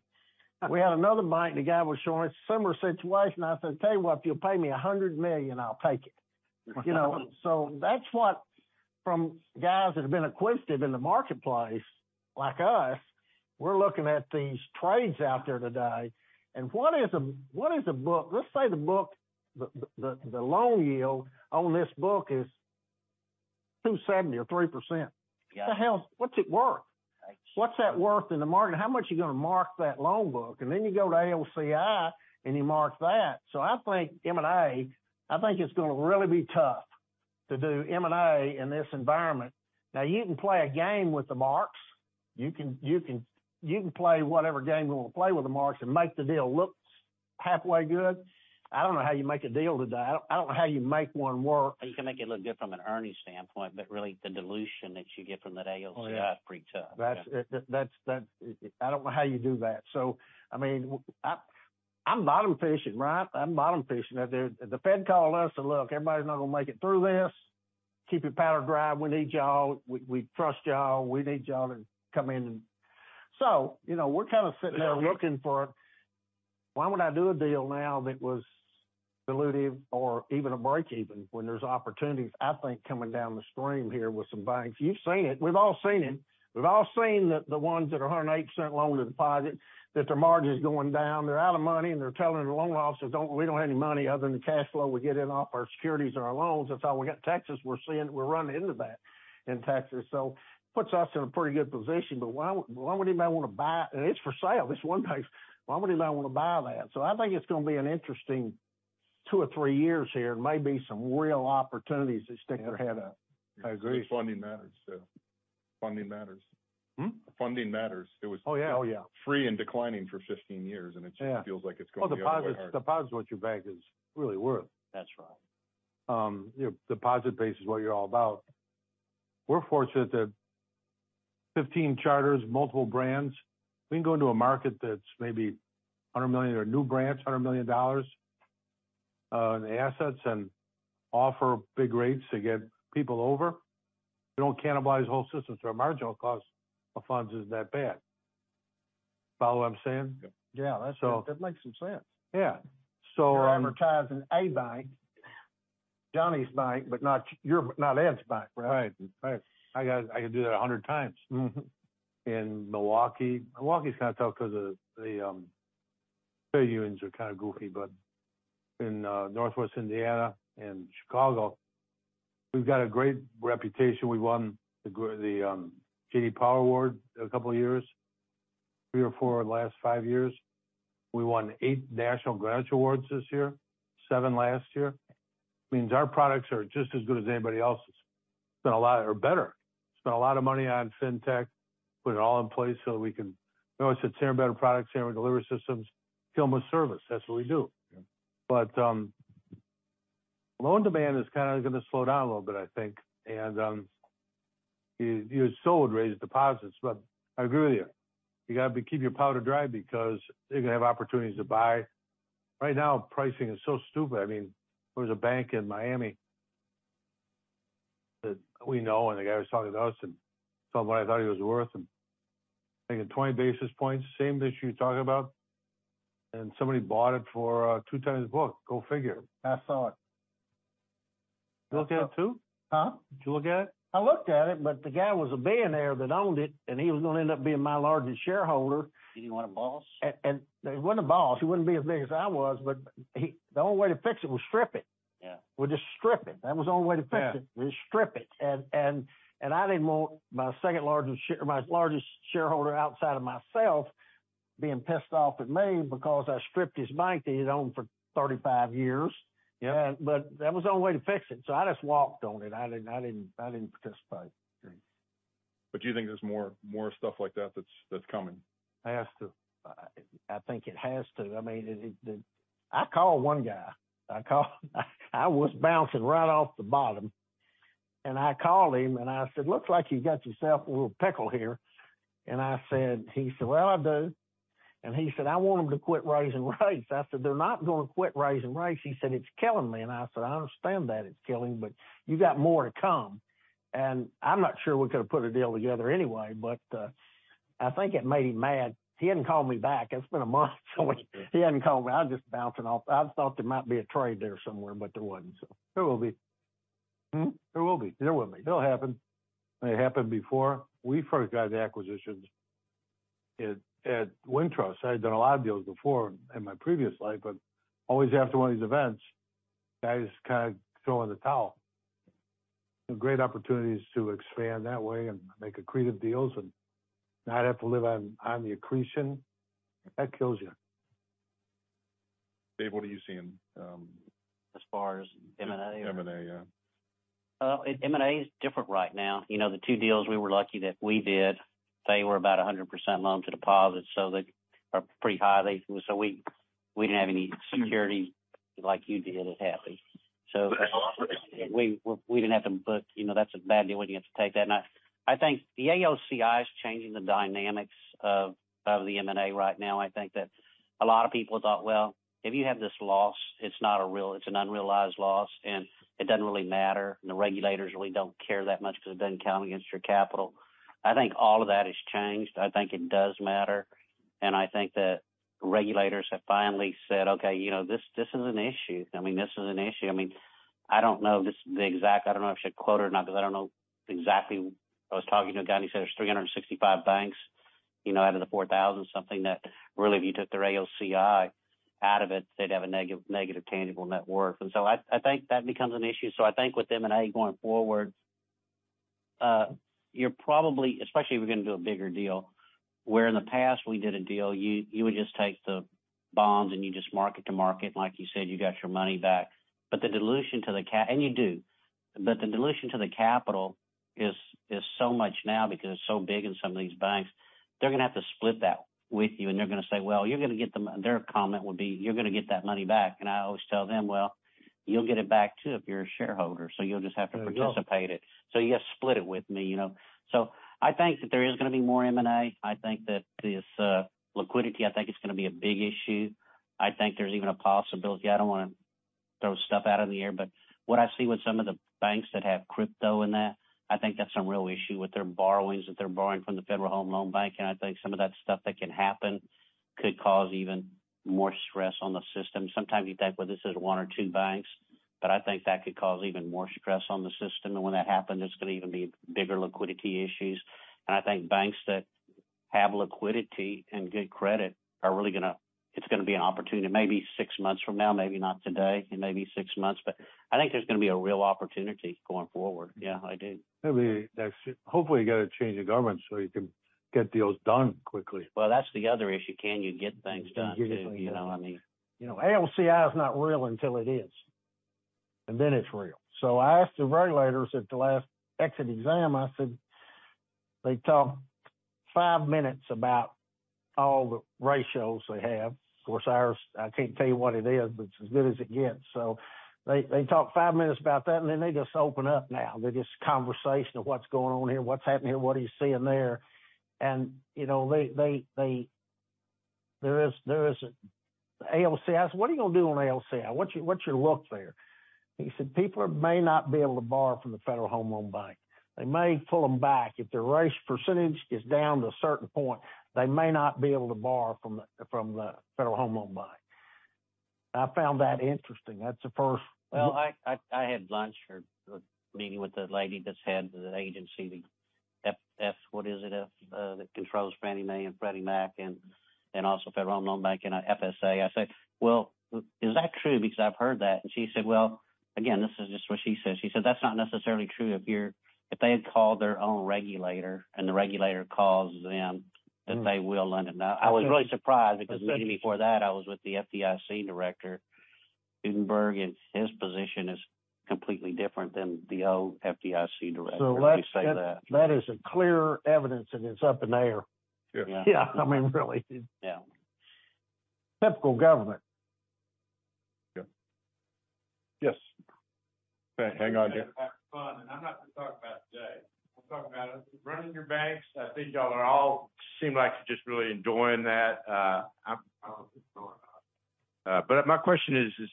We had another bank, the guy was showing similar situation. I said, "Tell you what, if you'll pay me $100 million, I'll take it." You know? That's what from guys that have been acquisitive in the marketplace like us, we're looking at these trades out there today. What is a book? Let's say the book, the loan yield on this book is 2.70% or 3%. Yeah. What the hell? What's it worth? Right. What's that worth in the market? How much are you gonna mark that loan book? Then you go to AOCI, and you mark that. I think M&A, I think it's gonna really be tough to do M&A in this environment. You can play a game with the marks. You can play whatever game you wanna play with the marks and make the deal look halfway good. I don't know how you make a deal today. I don't know how you make one work. You can make it look good from an earnings standpoint, but really the dilution that you get from that AOCI. Oh, yeah. ...is pretty tough. That's it. That's I don't know how you do that. I mean, I'm bottom fishing, right? I'm bottom fishing out there. The Fed called us and said, "Look, everybody's not gonna make it through this. Keep your powder dry. We need y'all. We trust y'all. We need y'all to come in and..." You know, we're kind of sitting there looking for... Why would I do a deal now that was dilutive or even a breakeven when there's opportunities, I think, coming down the stream here with some banks? You've seen it. We've all seen it. We've all seen the ones that are 108% loan-to-deposit, that their margin's going down, they're out of money, and they're telling their loan officers, "We don't have any money other than the cash flow we get in off our securities and our loans. That's all we got." Texas, we're running into that in Texas. Puts us in a pretty good position. Why would anybody wanna buy? It's for sale. This one bank, why would anybody wanna buy that? I think it's gonna be an interesting two or three years here. Maybe some real opportunities to stick their head up. I agree. Funding matters, so funding matters. Hmm? Funding matters. Oh, yeah. Oh, yeah.... free and declining for 15 years. Yeah... feels like it's going the other way hard. Well, deposit is what your bank is really worth. That's right. You know, deposit base is what you're all about. We're fortunate that 15 charters, multiple brands, we can go into a market that's maybe $100 million, or a new branch, $100 million dollars in assets and offer big rates to get people over. We don't cannibalize whole systems for a marginal cost of funds isn't that bad. Follow what I'm saying? Yeah. So- That's it. That makes some sense. Yeah. You're advertising a bank, Johnny's bank, not Ed's bank, right? Right. Right. I could do that 100x. Mm-hmm. In Milwaukee. Milwaukee's kinda tough 'cause the credit unions are kinda goofy, but in Northwest Indiana and Chicago, we've got a great reputation. We won the J.D. Power Award two years, three or four of the last five years. We won eight national grants awards this year, seven last year. Means our products are just as good as anybody else's. Or better. Spent a lot of money on fintech, put it all in place so that we can always have better products here and delivery systems. Kill them with service. That's what we do. Yeah. Loan demand is kinda gonna slow down a little bit, I think. You still would raise deposits, but I agree with you. You gotta keep your powder dry because you're gonna have opportunities to buy. Right now, pricing is so stupid. I mean, there was a bank in Miami that we know, and the guy was talking to us and told me what I thought he was worth, and making 20 basis points, same issue you're talking about, and somebody bought it for 2x book. Go figure. I saw it. You look at it too? Huh? Did you look at it? I looked at it, but the guy was a billionaire that owned it, and he was gonna end up being my largest shareholder. Did he want a boss? He want a boss. He wouldn't be as big as I was. The only way to fix it was strip it. Yeah. Was just strip it. That was the only way to fix it. Yeah. Was strip it. I didn't want my largest shareholder outside of myself being pissed off at me because I stripped his bank that he'd owned for 35 years. Yeah. That was the only way to fix it, so I just walked on it. I didn't participate. Mm-hmm. Do you think there's more stuff like that that's coming? Has to. I think it has to. I mean, it. I called one guy. I called. I was bouncing right off the bottom. I called him, and I said, "Looks like you got yourself a little pickle here." I said. He said, "Well, I do." He said, "I want them to quit raising rates." I said, "They're not gonna quit raising rates." He said, "It's killing me." I said, "I understand that it's killing, but you got more to come." I'm not sure we could have put a deal together anyway, but I think it made him mad. He hadn't called me back. It's been a month since he hadn't called me. I'm just bouncing off. I thought there might be a trade there somewhere, but there wasn't, so. There will be. Hmm? There will be. There will be. It'll happen. It happened before. We first got the acquisitions at Wintrust. I had done a lot of deals before in my previous life, but always after one of these events, guys kind of throw in the towel. Great opportunities to expand that way and make accretive deals and not have to live on the accretion. That kills you. Dave, what are you seeing? As far as M&A? M&A, yeah. M&A is different right now. You know, the two deals we were lucky that we did, they were about 100% loan to deposit, so they are pretty high. We didn't have any security like you did at Happy. We didn't have to book. You know, that's a bad deal when you have to take that. I think the AOCI is changing the dynamics of the M&A right now. I think that a lot of people thought, well, if you have this loss, it's an unrealized loss, and it doesn't really matter, and the regulators really don't care that much because it doesn't count against your capital. I think all of that has changed. I think it does matter. I think that regulators have finally said, "Okay, you know, this is an issue." I mean, this is an issue. I mean, I don't know this is the exact. I don't know if I should quote or not because I don't know exactly. I was talking to a guy, he said there's 365 banks, you know, out of the 4,000 something that really, if you took their AOCI out of it, they'd have a negative tangible net worth. I think that becomes an issue. I think with M&A going forward, you're probably, especially if you're gonna do a bigger deal, where in the past we did a deal, you would just take the bonds and you just market to market, like you said, you got your money back. The dilution to the and you do. The dilution to the capital is so much now because it's so big in some of these banks, they're gonna have to split that with you. They're gonna say, well, their comment would be, "You're gonna get that money back." I always tell them, "Well, you'll get it back, too, if you're a shareholder, so you'll just have to participate it. So you gotta split it with me, you know." I think that there is gonna be more M&A. I think that this liquidity, I think it's gonna be a big issue. I think there's even a possibility I don't wanna throw stuff out of the air, but what I see with some of the banks that have crypto in that, I think that's a real issue with their borrowings, that they're borrowing from the Federal Home Loan Bank. I think some of that stuff that can happen could cause even more stress on the system. Sometimes you think, well, this is one or two banks, but I think that could cause even more stress on the system. When that happens, it's gonna even be bigger liquidity issues. I think banks that have liquidity and good credit are really it's gonna be an opportunity maybe six months from now, maybe not today, it may be six months, but I think there's gonna be a real opportunity going forward. Yeah, I do. Maybe next year. Hopefully, you get a change of government so you can get deals done quickly. Well, that's the other issue. Can you get things done too? You know, I mean... You know, AOCI is not real until it is, and then it's real. I asked the regulators at the last exit exam, I said. They talk five minutes about all the ratios they have. Of course, ours, I can't tell you what it is, but it's as good as it gets. They talk five minutes about that, and then they just open up now. They're just conversation of what's going on here, what's happening here, what are you seeing there. You know, they there is AOCI. I said, "What are you gonna do on AOCI? What's, what's your look there?" He said, "People may not be able to borrow from the Federal Home Loan Bank. They may pull them back. If their rate % is down to a certain point, they may not be able to borrow from the Federal Home Loan Bank. I found that interesting. I had lunch or a meeting with the lady that's head of the agency. What is it? F, that controls Fannie Mae and Freddie Mac and also Federal Home Loan Bank and FSA. I said, "Well, is that true?" Because I've heard that. She said, well, again, this is just what she said. She said, "That's not necessarily true if they had called their own regulator and the regulator calls them, then they will lend them." I was really surprised because the meeting before that I was with the FDIC director, Gruenberg, and his position is completely different than the old FDIC director. That's, that is a clear evidence that it's up in air. Sure. Yeah, I mean, really. Yeah. Typical government. Yeah. Yes. Go ahead. Hang on, Jeff. Have fun. I'm not gonna talk about today. I'm talking about running your banks. I think y'all are all seem like you're just really enjoying that. My question is,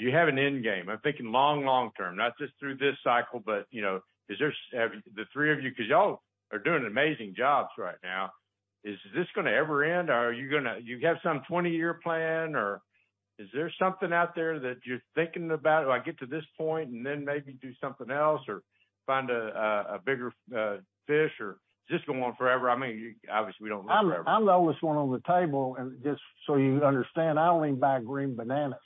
do you have an end game? I'm thinking long, long term, not just through this cycle, but, you know, have the three of you, because y'all are doing amazing jobs right now. Is this gonna ever end? Do you have some 20-year plan, or is there something out there that you're thinking about, if I get to this point and then maybe do something else or find a bigger fish, or is this gonna go on forever? I mean, obviously, we don't live forever. I'm the oldest one on the table, and just so you understand, I only buy green bananas.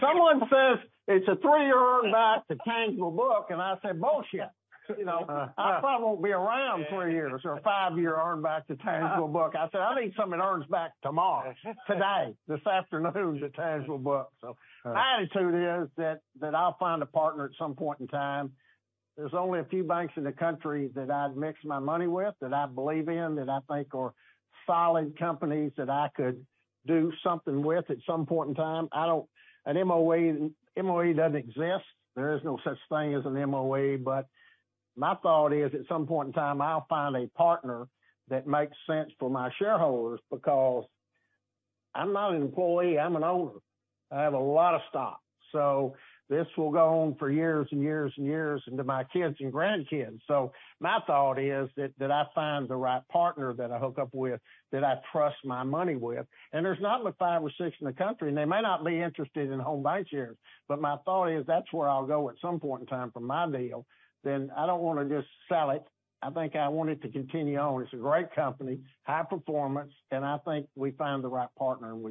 Someone says it's a three-year earn back to tangible book, and I say, "Bullshit." You know, I probably won't be around three years or a five-year earn back to tangible book. I said, "I need something that earns back tomorrow, today, this afternoon to tangible book." My attitude is that I'll find a partner at some point in time. There's only a few banks in the country that I'd mix my money with, that I believe in, that I think are solid companies that I could do something with at some point in time. An MOA doesn't exist. There is no such thing as an MOA. My thought is, at some point in time, I'll find a partner that makes sense for my shareholders, because I'm not an employee, I'm an owner. I have a lot of stock. This will go on for years and years and years into my kids and grandkids. My thought is that I find the right partner that I hook up with, that I trust my money with. There's not but five or six in the country, and they may not be interested in Home BancShares. My thought is, that's where I'll go at some point in time for my deal. I don't wanna just sell it. I think I want it to continue on. It's a great company, high performance, and I think if we find the right partner, and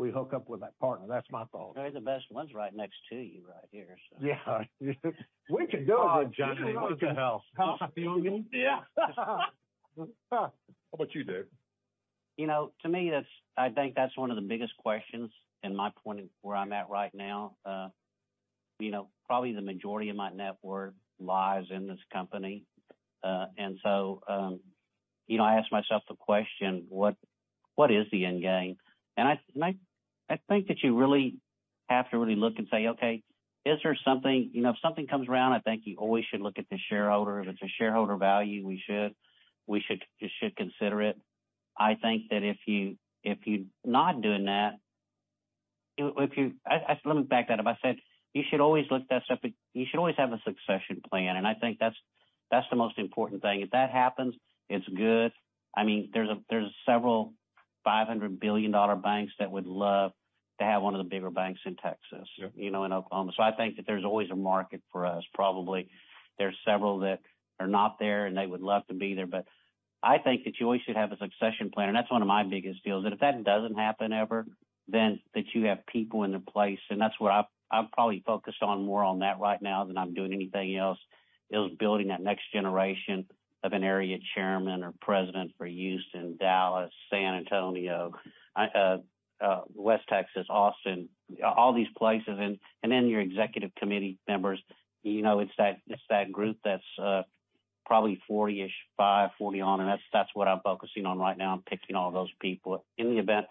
we hook up with that partner. That's my thought. Maybe the best one's right next to you right here, so. Yeah. We can do it, gentlemen. Oh, Jimmy, what the hell? You want me? Yeah. How about you, Dave? You know, to me, I think that's one of the biggest questions in my point in where I'm at right now. You know, probably the majority of my net worth lies in this company. You know, I ask myself the question, what is the end game? I think that you really have to really look and say, okay, is there something? You know, if something comes around, I think you always should look at the shareholder. If it's a shareholder value, we should consider it. I think that if you're not doing that, Let me back that up. I said, you should always look at that stuff, you should always have a succession plan. I think that's the most important thing. If that happens, it's good. I mean, there's several 500 billion dollar banks that would love to have one of the bigger banks in Texas- Sure... you know, in Oklahoma. I think that there's always a market for us, probably. There's several that are not there, and they would love to be there. I think that you always should have a succession plan, and that's one of my biggest deals. If that doesn't happen ever, then that you have people into place. That's what I've probably focused on more on that right now than I'm doing anything else, is building that next generation of an area chairman or president for Houston, Dallas, San Antonio, West Texas, Austin, all these places. Your executive committee members. You know, it's that group that's probably 40-ish, 45, 40 on. That's what I'm focusing on right now. I'm picking all those people in the event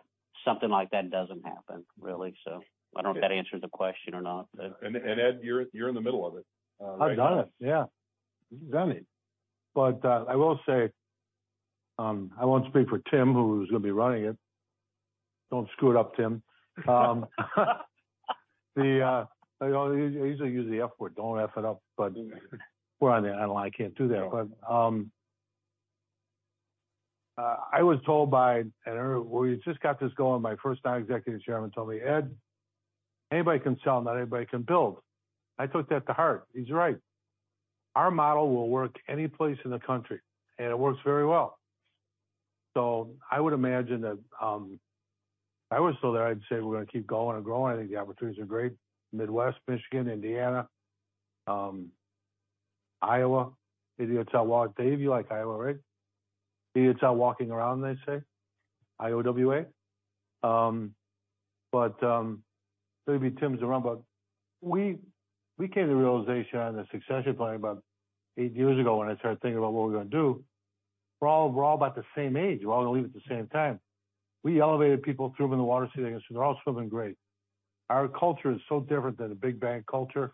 something like that doesn't happen, really. I don't know if that answers the question or not, but... Ed, you're in the middle of it, right now. I've done it, yeah. He's done it. I will say, I won't speak for Tim, who's gonna be running it. Don't screw it up, Tim. You know, I usually use the F word. Don't F it up. We're on the internet, I can't do that. I was told by. We just got this going. My first non-executive chairman told me, "Ed, anybody can sell, not everybody can build." I took that to heart. He's right. Our model will work any place in the country, and it works very well. I would imagine that, if I was still there, I'd say we're gonna keep going and growing. I think the opportunities are great. Midwest, Michigan, Indiana, Iowa. Maybe it's, Dave, you like Iowa, right? Maybe it's, walking around, they say. IOWA. It's going to be Tim's run, but we came to the realization on the succession plan about eight years ago when I started thinking about what we're going to do. We're all about the same age. We all leave at the same time. We elevated people, threw them in the water, see if they can swim. They're all swimming great. Our culture is so different than a big bank culture.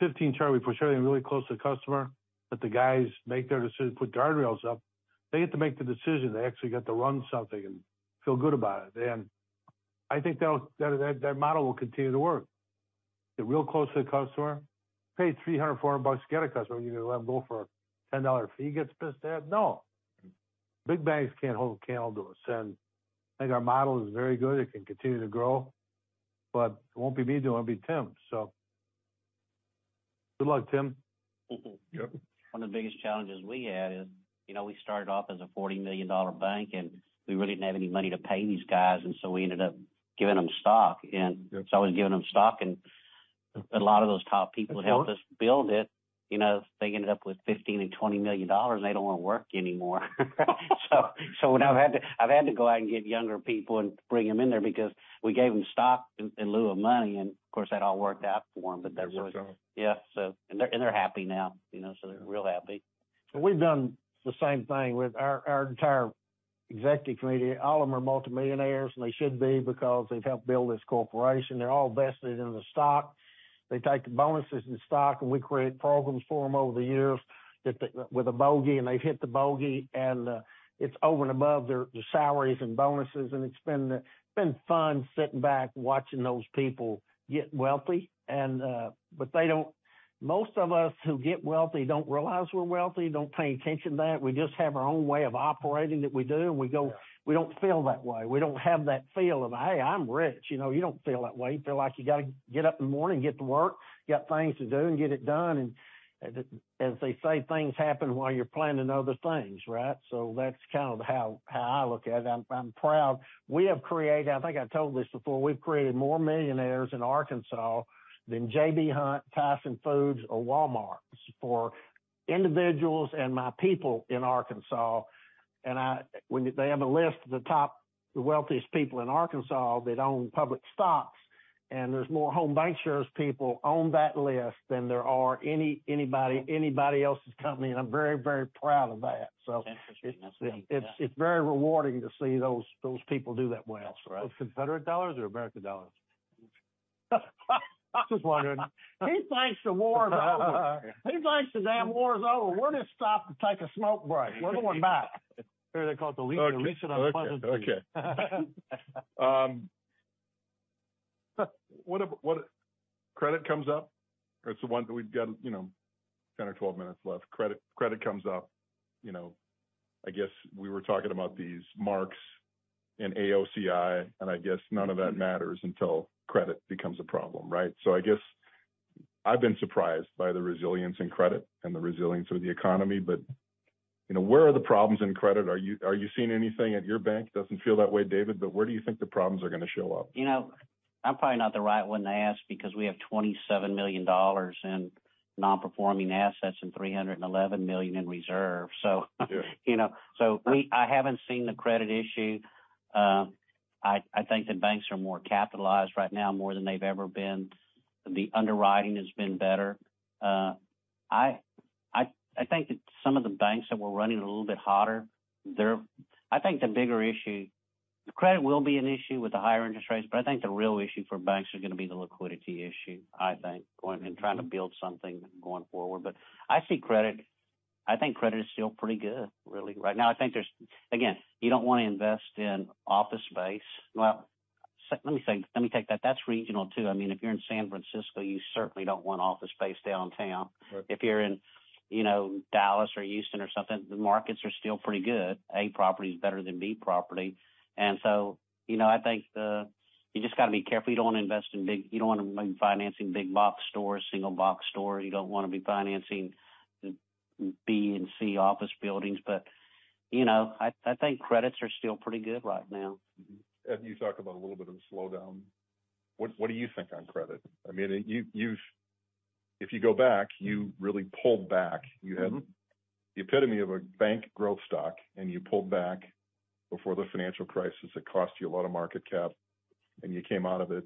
15 charter, we're pushing everything really close to the customer, let the guys make their decision, put guardrails up. They get to make the decision. They actually get to run something and feel good about it. I think that model will continue to work. Get real close to the customer. Pay $300, $400 to get a customer, and you're gonna let him go for a $10 fee he gets pissed at? No. Mm-hmm. Big banks can't hold a candle to us. I think our model is very good. It can continue to grow, but it won't be me doing it'll be Tim. Good luck, Tim. Mm-hmm. Yep. One of the biggest challenges we had is, you know, we started off as a 40 million dollar bank, and we really didn't have any money to pay these guys, and so we ended up giving them stock. Yep. I was giving them stock, and a lot of those top people who helped us build it, you know, they ended up with $15 million and $20 million. They don't wanna work anymore. I've had to go out and get younger people and bring them in there because we gave them stock in lieu of money. Of course, that all worked out for them. They're really. That's what's up. Yeah. and they're happy now, you know? they're real happy. We've done the same thing with our entire executive committee. All of them are multimillionaires, they should be because they've helped build this corporation. They're all vested in the stock. They take the bonuses in stock, we create programs for them over the years that they with a bogey, they hit the bogey, it's over and above their salaries and bonuses. It's been fun sitting back watching those people get wealthy. But they don't. Most of us who get wealthy don't realize we're wealthy, don't pay any attention to that. We just have our own way of operating that we do, we go. Yeah. We don't feel that way. We don't have that feel of, "Hey, I'm rich." You know, you don't feel that way. You feel like you gotta get up in the morning, get to work, you got things to do, and get it done. As they say, things happen while you're planning other things, right? That's kind of how I look at it. I'm proud. We have created... I think I told this before, we've created more millionaires in Arkansas than J.B. Hunt, Tyson Foods, or Walmart for individuals and my people in Arkansas. When they have a list of the top wealthiest people in Arkansas that own public stocks, there's more Home BancShares people on that list than there are anybody else's company, and I'm very, very proud of that. It's very rewarding to see those people do that well. Those Confederate dollars or American dollars? Just wondering. He thinks the war is over. He thinks the damn war is over. We're just stopped to take a smoke break. We're going back. They call it. Okay. The least unpleasant view. Okay. Credit comes up. It's the one that we've got, you know, 10 or 12 minutes left. Credit comes up. You know, I guess we were talking about these marks in AOCI, and I guess none of that matters until credit becomes a problem, right? I guess I've been surprised by the resilience in credit and the resilience of the economy. You know, where are the problems in credit? Are you seeing anything at your bank? Doesn't feel that way, David, but where do you think the problems are gonna show up? You know, I'm probably not the right one to ask because we have $27 million in non-performing assets and $311 million in reserve. You know. I haven't seen the credit issue. I think the banks are more capitalized right now more than they've ever been. The underwriting has been better. I think that some of the banks that were running a little bit hotter, I think the bigger issue. The credit will be an issue with the higher interest rates, but I think the real issue for banks is gonna be the liquidity issue, I think, and trying to build something going forward. I see credit. I think credit is still pretty good, really. Right now, I think there's. Again, you don't wanna invest in office space. Well, let me think. Let me take that. That's regional, too. I mean, if you're in San Francisco, you certainly don't want office space downtown. Right. If you're in, you know, Dallas or Houston or something, the markets are still pretty good. A property is better than B property. You know, I think you just gotta be careful. You don't wanna be financing big-box stores, single-box stores. You don't wanna be financing B and C office buildings. You know, I think credits are still pretty good right now. Mm-hmm. Ed, you talk about a little bit of a slowdown. What do you think on credit? I mean, if you go back, you really pulled back. Mm-hmm. You had the epitome of a bank growth stock, and you pulled back before the financial crisis. It cost you a lot of market cap, and you came out of it,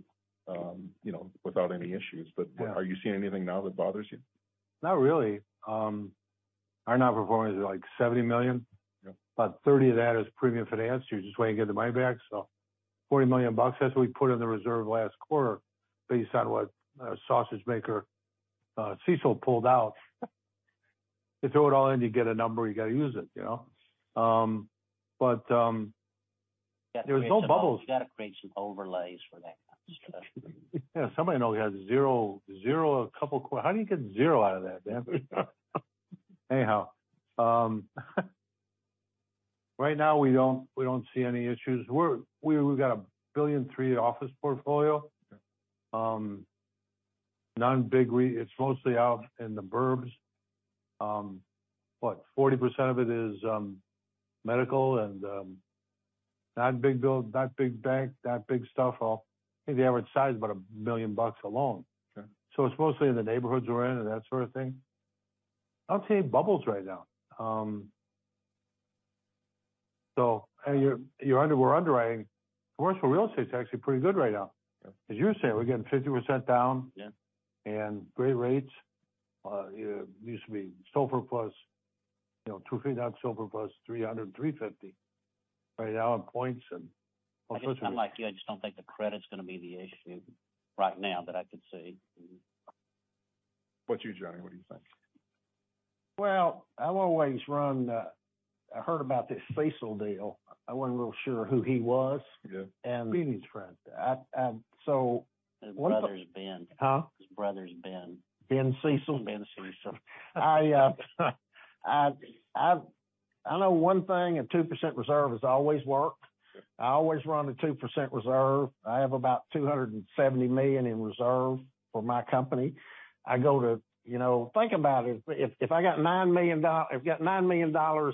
you know, without any issues. Yeah. Are you seeing anything now that bothers you? Not really. Our non-performance is like $70 million. Yeah. About 30 of that is premium finance. You're just waiting to get the money back. $40 million, that's what we put in the reserve last quarter based on what our sausage maker, CECL pulled out. You throw it all in, you get a number, you gotta use it, you know. There was no bubbles. You gotta create some overlays for that kind of stuff. Yeah. Somebody I know has zero, how do you get zero out of that, damn? Anyhow, right now we don't see any issues. We've got a $1.3 billion office portfolio. Yeah. Non-big it's mostly out in the burbs. What, 40% of it is medical and not big bank, not big stuff at all. I think the average size is about $1 million a loan. Okay. It's mostly in the neighborhoods we're in and that sort of thing. I don't see any bubbles right now. We're underwriting. Commercial real estate's actually pretty good right now. Yeah. As you were saying, we're getting 50% down. Yeah. Great rates. It used to be SOFR plus, you know, 2x, 3x SOFR plus 300, 350. Right now on points and- I'm like you, I just don't think the credit's gonna be the issue right now that I could see. What about you, Johnny? What do you think? Well, I've always run, I heard about this CECL deal. I wasn't real sure who he was. Yeah. And- Benny's friend. one of the... His brother is Ben. Huh? His brother is Ben. Ben CECL? Ben CECL. I know one thing, a 2% reserve has always worked. Sure. I always run a 2% reserve. I have about $270 million in reserve for my company. You know, think about it. If I got $9 million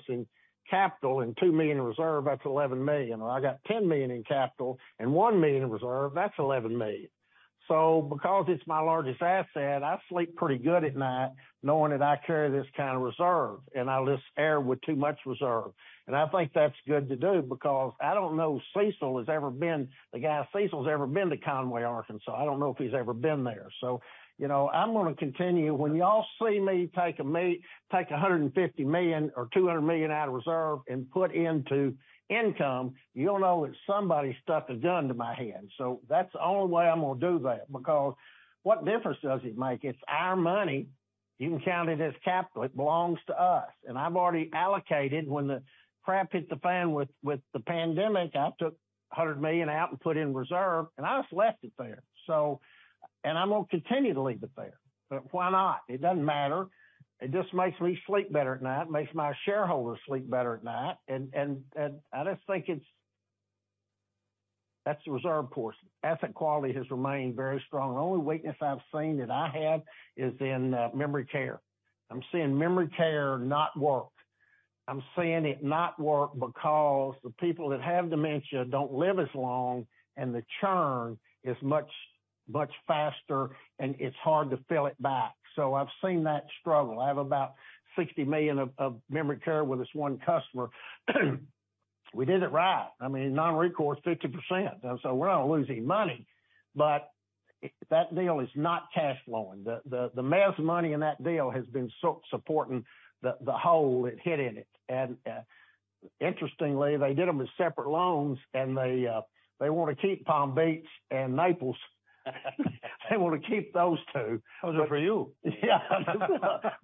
in capital and $2 million in reserve, that's $11 million. Or I got $10 million in capital and $1 million in reserve, that's $11 million. Because it's my largest asset, I sleep pretty good at night knowing that I carry this kind of reserve, and I'll just err with too much reserve. I think that's good to do because I don't know if the guy, CECL, has ever been to Conway, Arkansas. I don't know if he's ever been there. You know, I'm gonna continue. When y'all see me take a $150 million or $200 million out of reserve and put into income, you'll know that somebody's stuff is done to my hand. That's the only way I'm gonna do that because what difference does it make? It's our money. You can count it as capital. It belongs to us. I've already allocated when the crap hit the fan with the pandemic, I took $100 million out and put in reserve, and I just left it there. I'm gonna continue to leave it there. Why not? It doesn't matter. It just makes me sleep better at night. It makes my shareholders sleep better at night. I just think That's the reserve portion. Asset quality has remained very strong. The only weakness I've seen that I have is in memory care. I'm seeing memory care not work. I'm seeing it not work because the people that have dementia don't live as long, and the churn is much, much faster, and it's hard to fill it back. I've seen that struggle. I have about $60 million of memory care with this one customer. We did it right. I mean, non-recourse, 50%, we're not losing money. That deal is not cash flowing. The mass money in that deal has been supporting the hole it hit in it. Interestingly, they did them as separate loans and they wanna keep Palm Beach and Naples. They wanna keep those two. Those are for you. Yeah.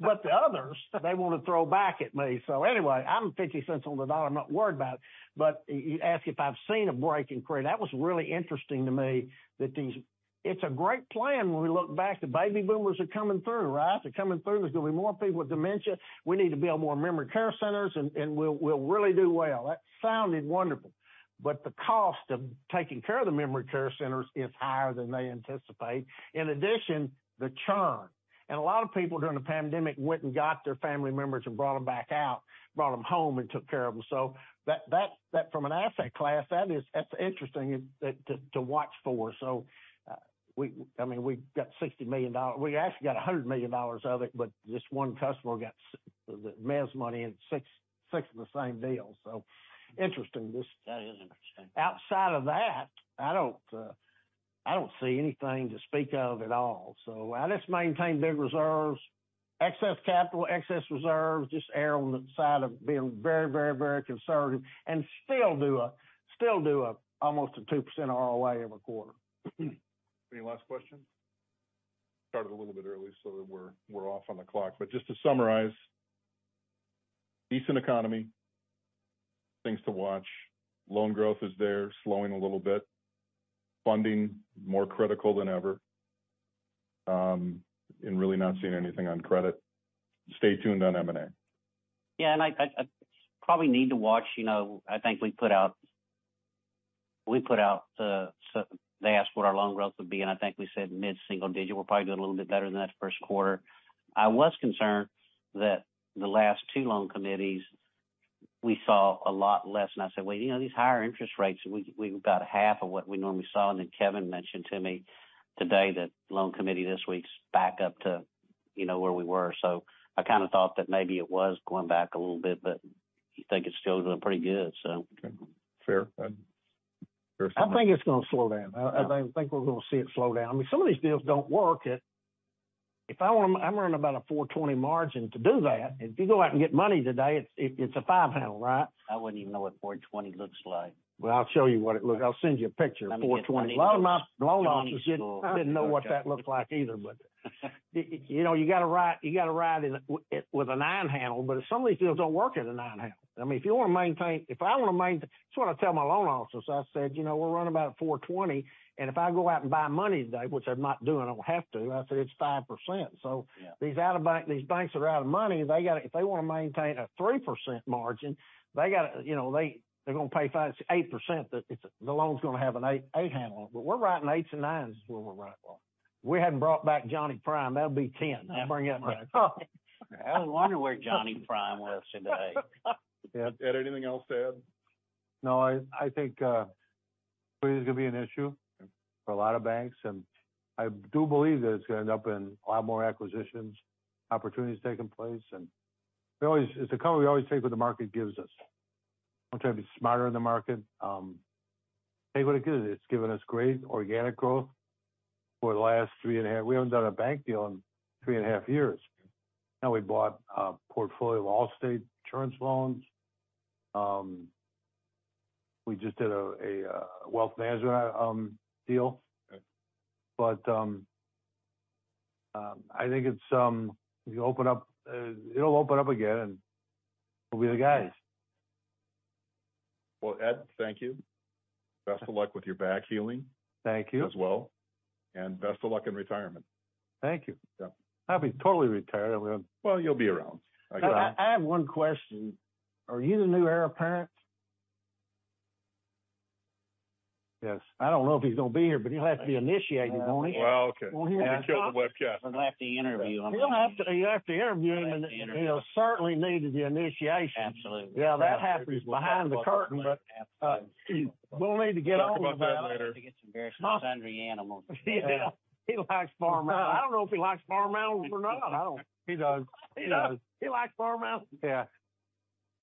The others, they wanna throw back at me. Anyway, I'm $0.50 on the dollar, I'm not worried about it. You asked if I've seen a break in credit. That was really interesting to me that these. It's a great plan when we look back. The baby boomers are coming through, right? They're coming through. There's gonna be more people with dementia. We need to build more memory care centers and we'll really do well. That sounded wonderful. The cost of taking care of the memory care centers is higher than they anticipate. In addition, the churn. A lot of people during the pandemic went and got their family members and brought them back out, brought them home and took care of them. That from an asset class, that is, that's interesting, it to watch for. I mean, we got $60 million. We actually got $100 million of it, but this one customer got the mass money in six of the same deals. Interesting this. That is interesting. Outside of that, I don't, I don't see anything to speak of at all. I just maintain big reserves, excess capital, excess reserves, just err on the side of being very, very, very conservative and still do a almost a 2% ROA every quarter. Any last questions? Started a little bit early, we're off on the clock. Just to summarize, decent economy, things to watch, loan growth is there, slowing a little bit, funding more critical than ever, and really not seeing anything on credit. Stay tuned on M&A. I probably need to watch, you know, I think we put out, so they asked what our loan growth would be, and I think we said mid-single digit. We'll probably do a little bit better than that the first quarter. I was concerned that the last two loan committees, we saw a lot less. I said, "Well, you know, these higher interest rates, we've got half of what we normally saw." Kevin mentioned to me today that loan committee this week's back up to, you know, where we were. I kinda thought that maybe it was going back a little bit, but you think it's still doing pretty good. Okay. Fair. I think it's gonna slow down. I think we're gonna see it slow down. I mean, some of these deals don't work. I'm running about a 4.20% margin to do that. If you go out and get money today, it's a 5% handle, right? I wouldn't even know what 420 looks like. Well, I'll show you. I'll send you a picture of 420. Let me get my needles. A lot of my loan officers didn't know what that looked like either. You know, you gotta ride, you gotta ride in with a nine handle, but some of these deals don't work at a nine handle. I mean, if I wanna maintain, this is what I tell my loan officers. I said, "You know, we're running about 4.20%. If I go out and buy money today," which I'm not doing, I don't have to, I say, "It's 5%. Yeah. These banks that are out of money, they gotta. If they wanna maintain a 3% margin, they gotta, you know, they're gonna pay 5%-8% that the loan's gonna have an eight handle. We're writing eights and nines is where we're writing. If we hadn't brought back Jumbo Prime, that'd be 10. I'll bring him back. I was wondering where Jumbo Prime was today? Ed, anything else to add? No. I think it is gonna be an issue for a lot of banks, and I do believe that it's gonna end up in a lot more acquisitions, opportunities taking place. As a company, we always take what the market gives us. We try to be smarter than the market, take what it gives. It's given us great organic growth for the last three and a half. We haven't done a bank deal in three and a half years. Now we bought a portfolio of Allstate Insurance loans. We just did a wealth management deal. Right. I think it's, you open up, it'll open up again, and we'll be the guys. Well, Ed, thank you. Best of luck with your back healing- Thank you. as well, and best of luck in retirement. Thank you. Yeah. I'll be totally retired. Well, you'll be around. I have one question. Are you the new heir apparent? Yes. I don't know if he's gonna be here, but he'll have to be initiated, won't he? Well, okay. That'll kill the webcast. We'll have to interview him. You'll have to interview him, and he'll certainly need the initiation. Absolutely. Yeah, that happens behind the curtain, but, we'll need to get on to that later. To get some various sundry animals. Yeah. He likes farm animals. I don't know if he likes farm animals or not. He does. He does. He likes farm animals? Yeah.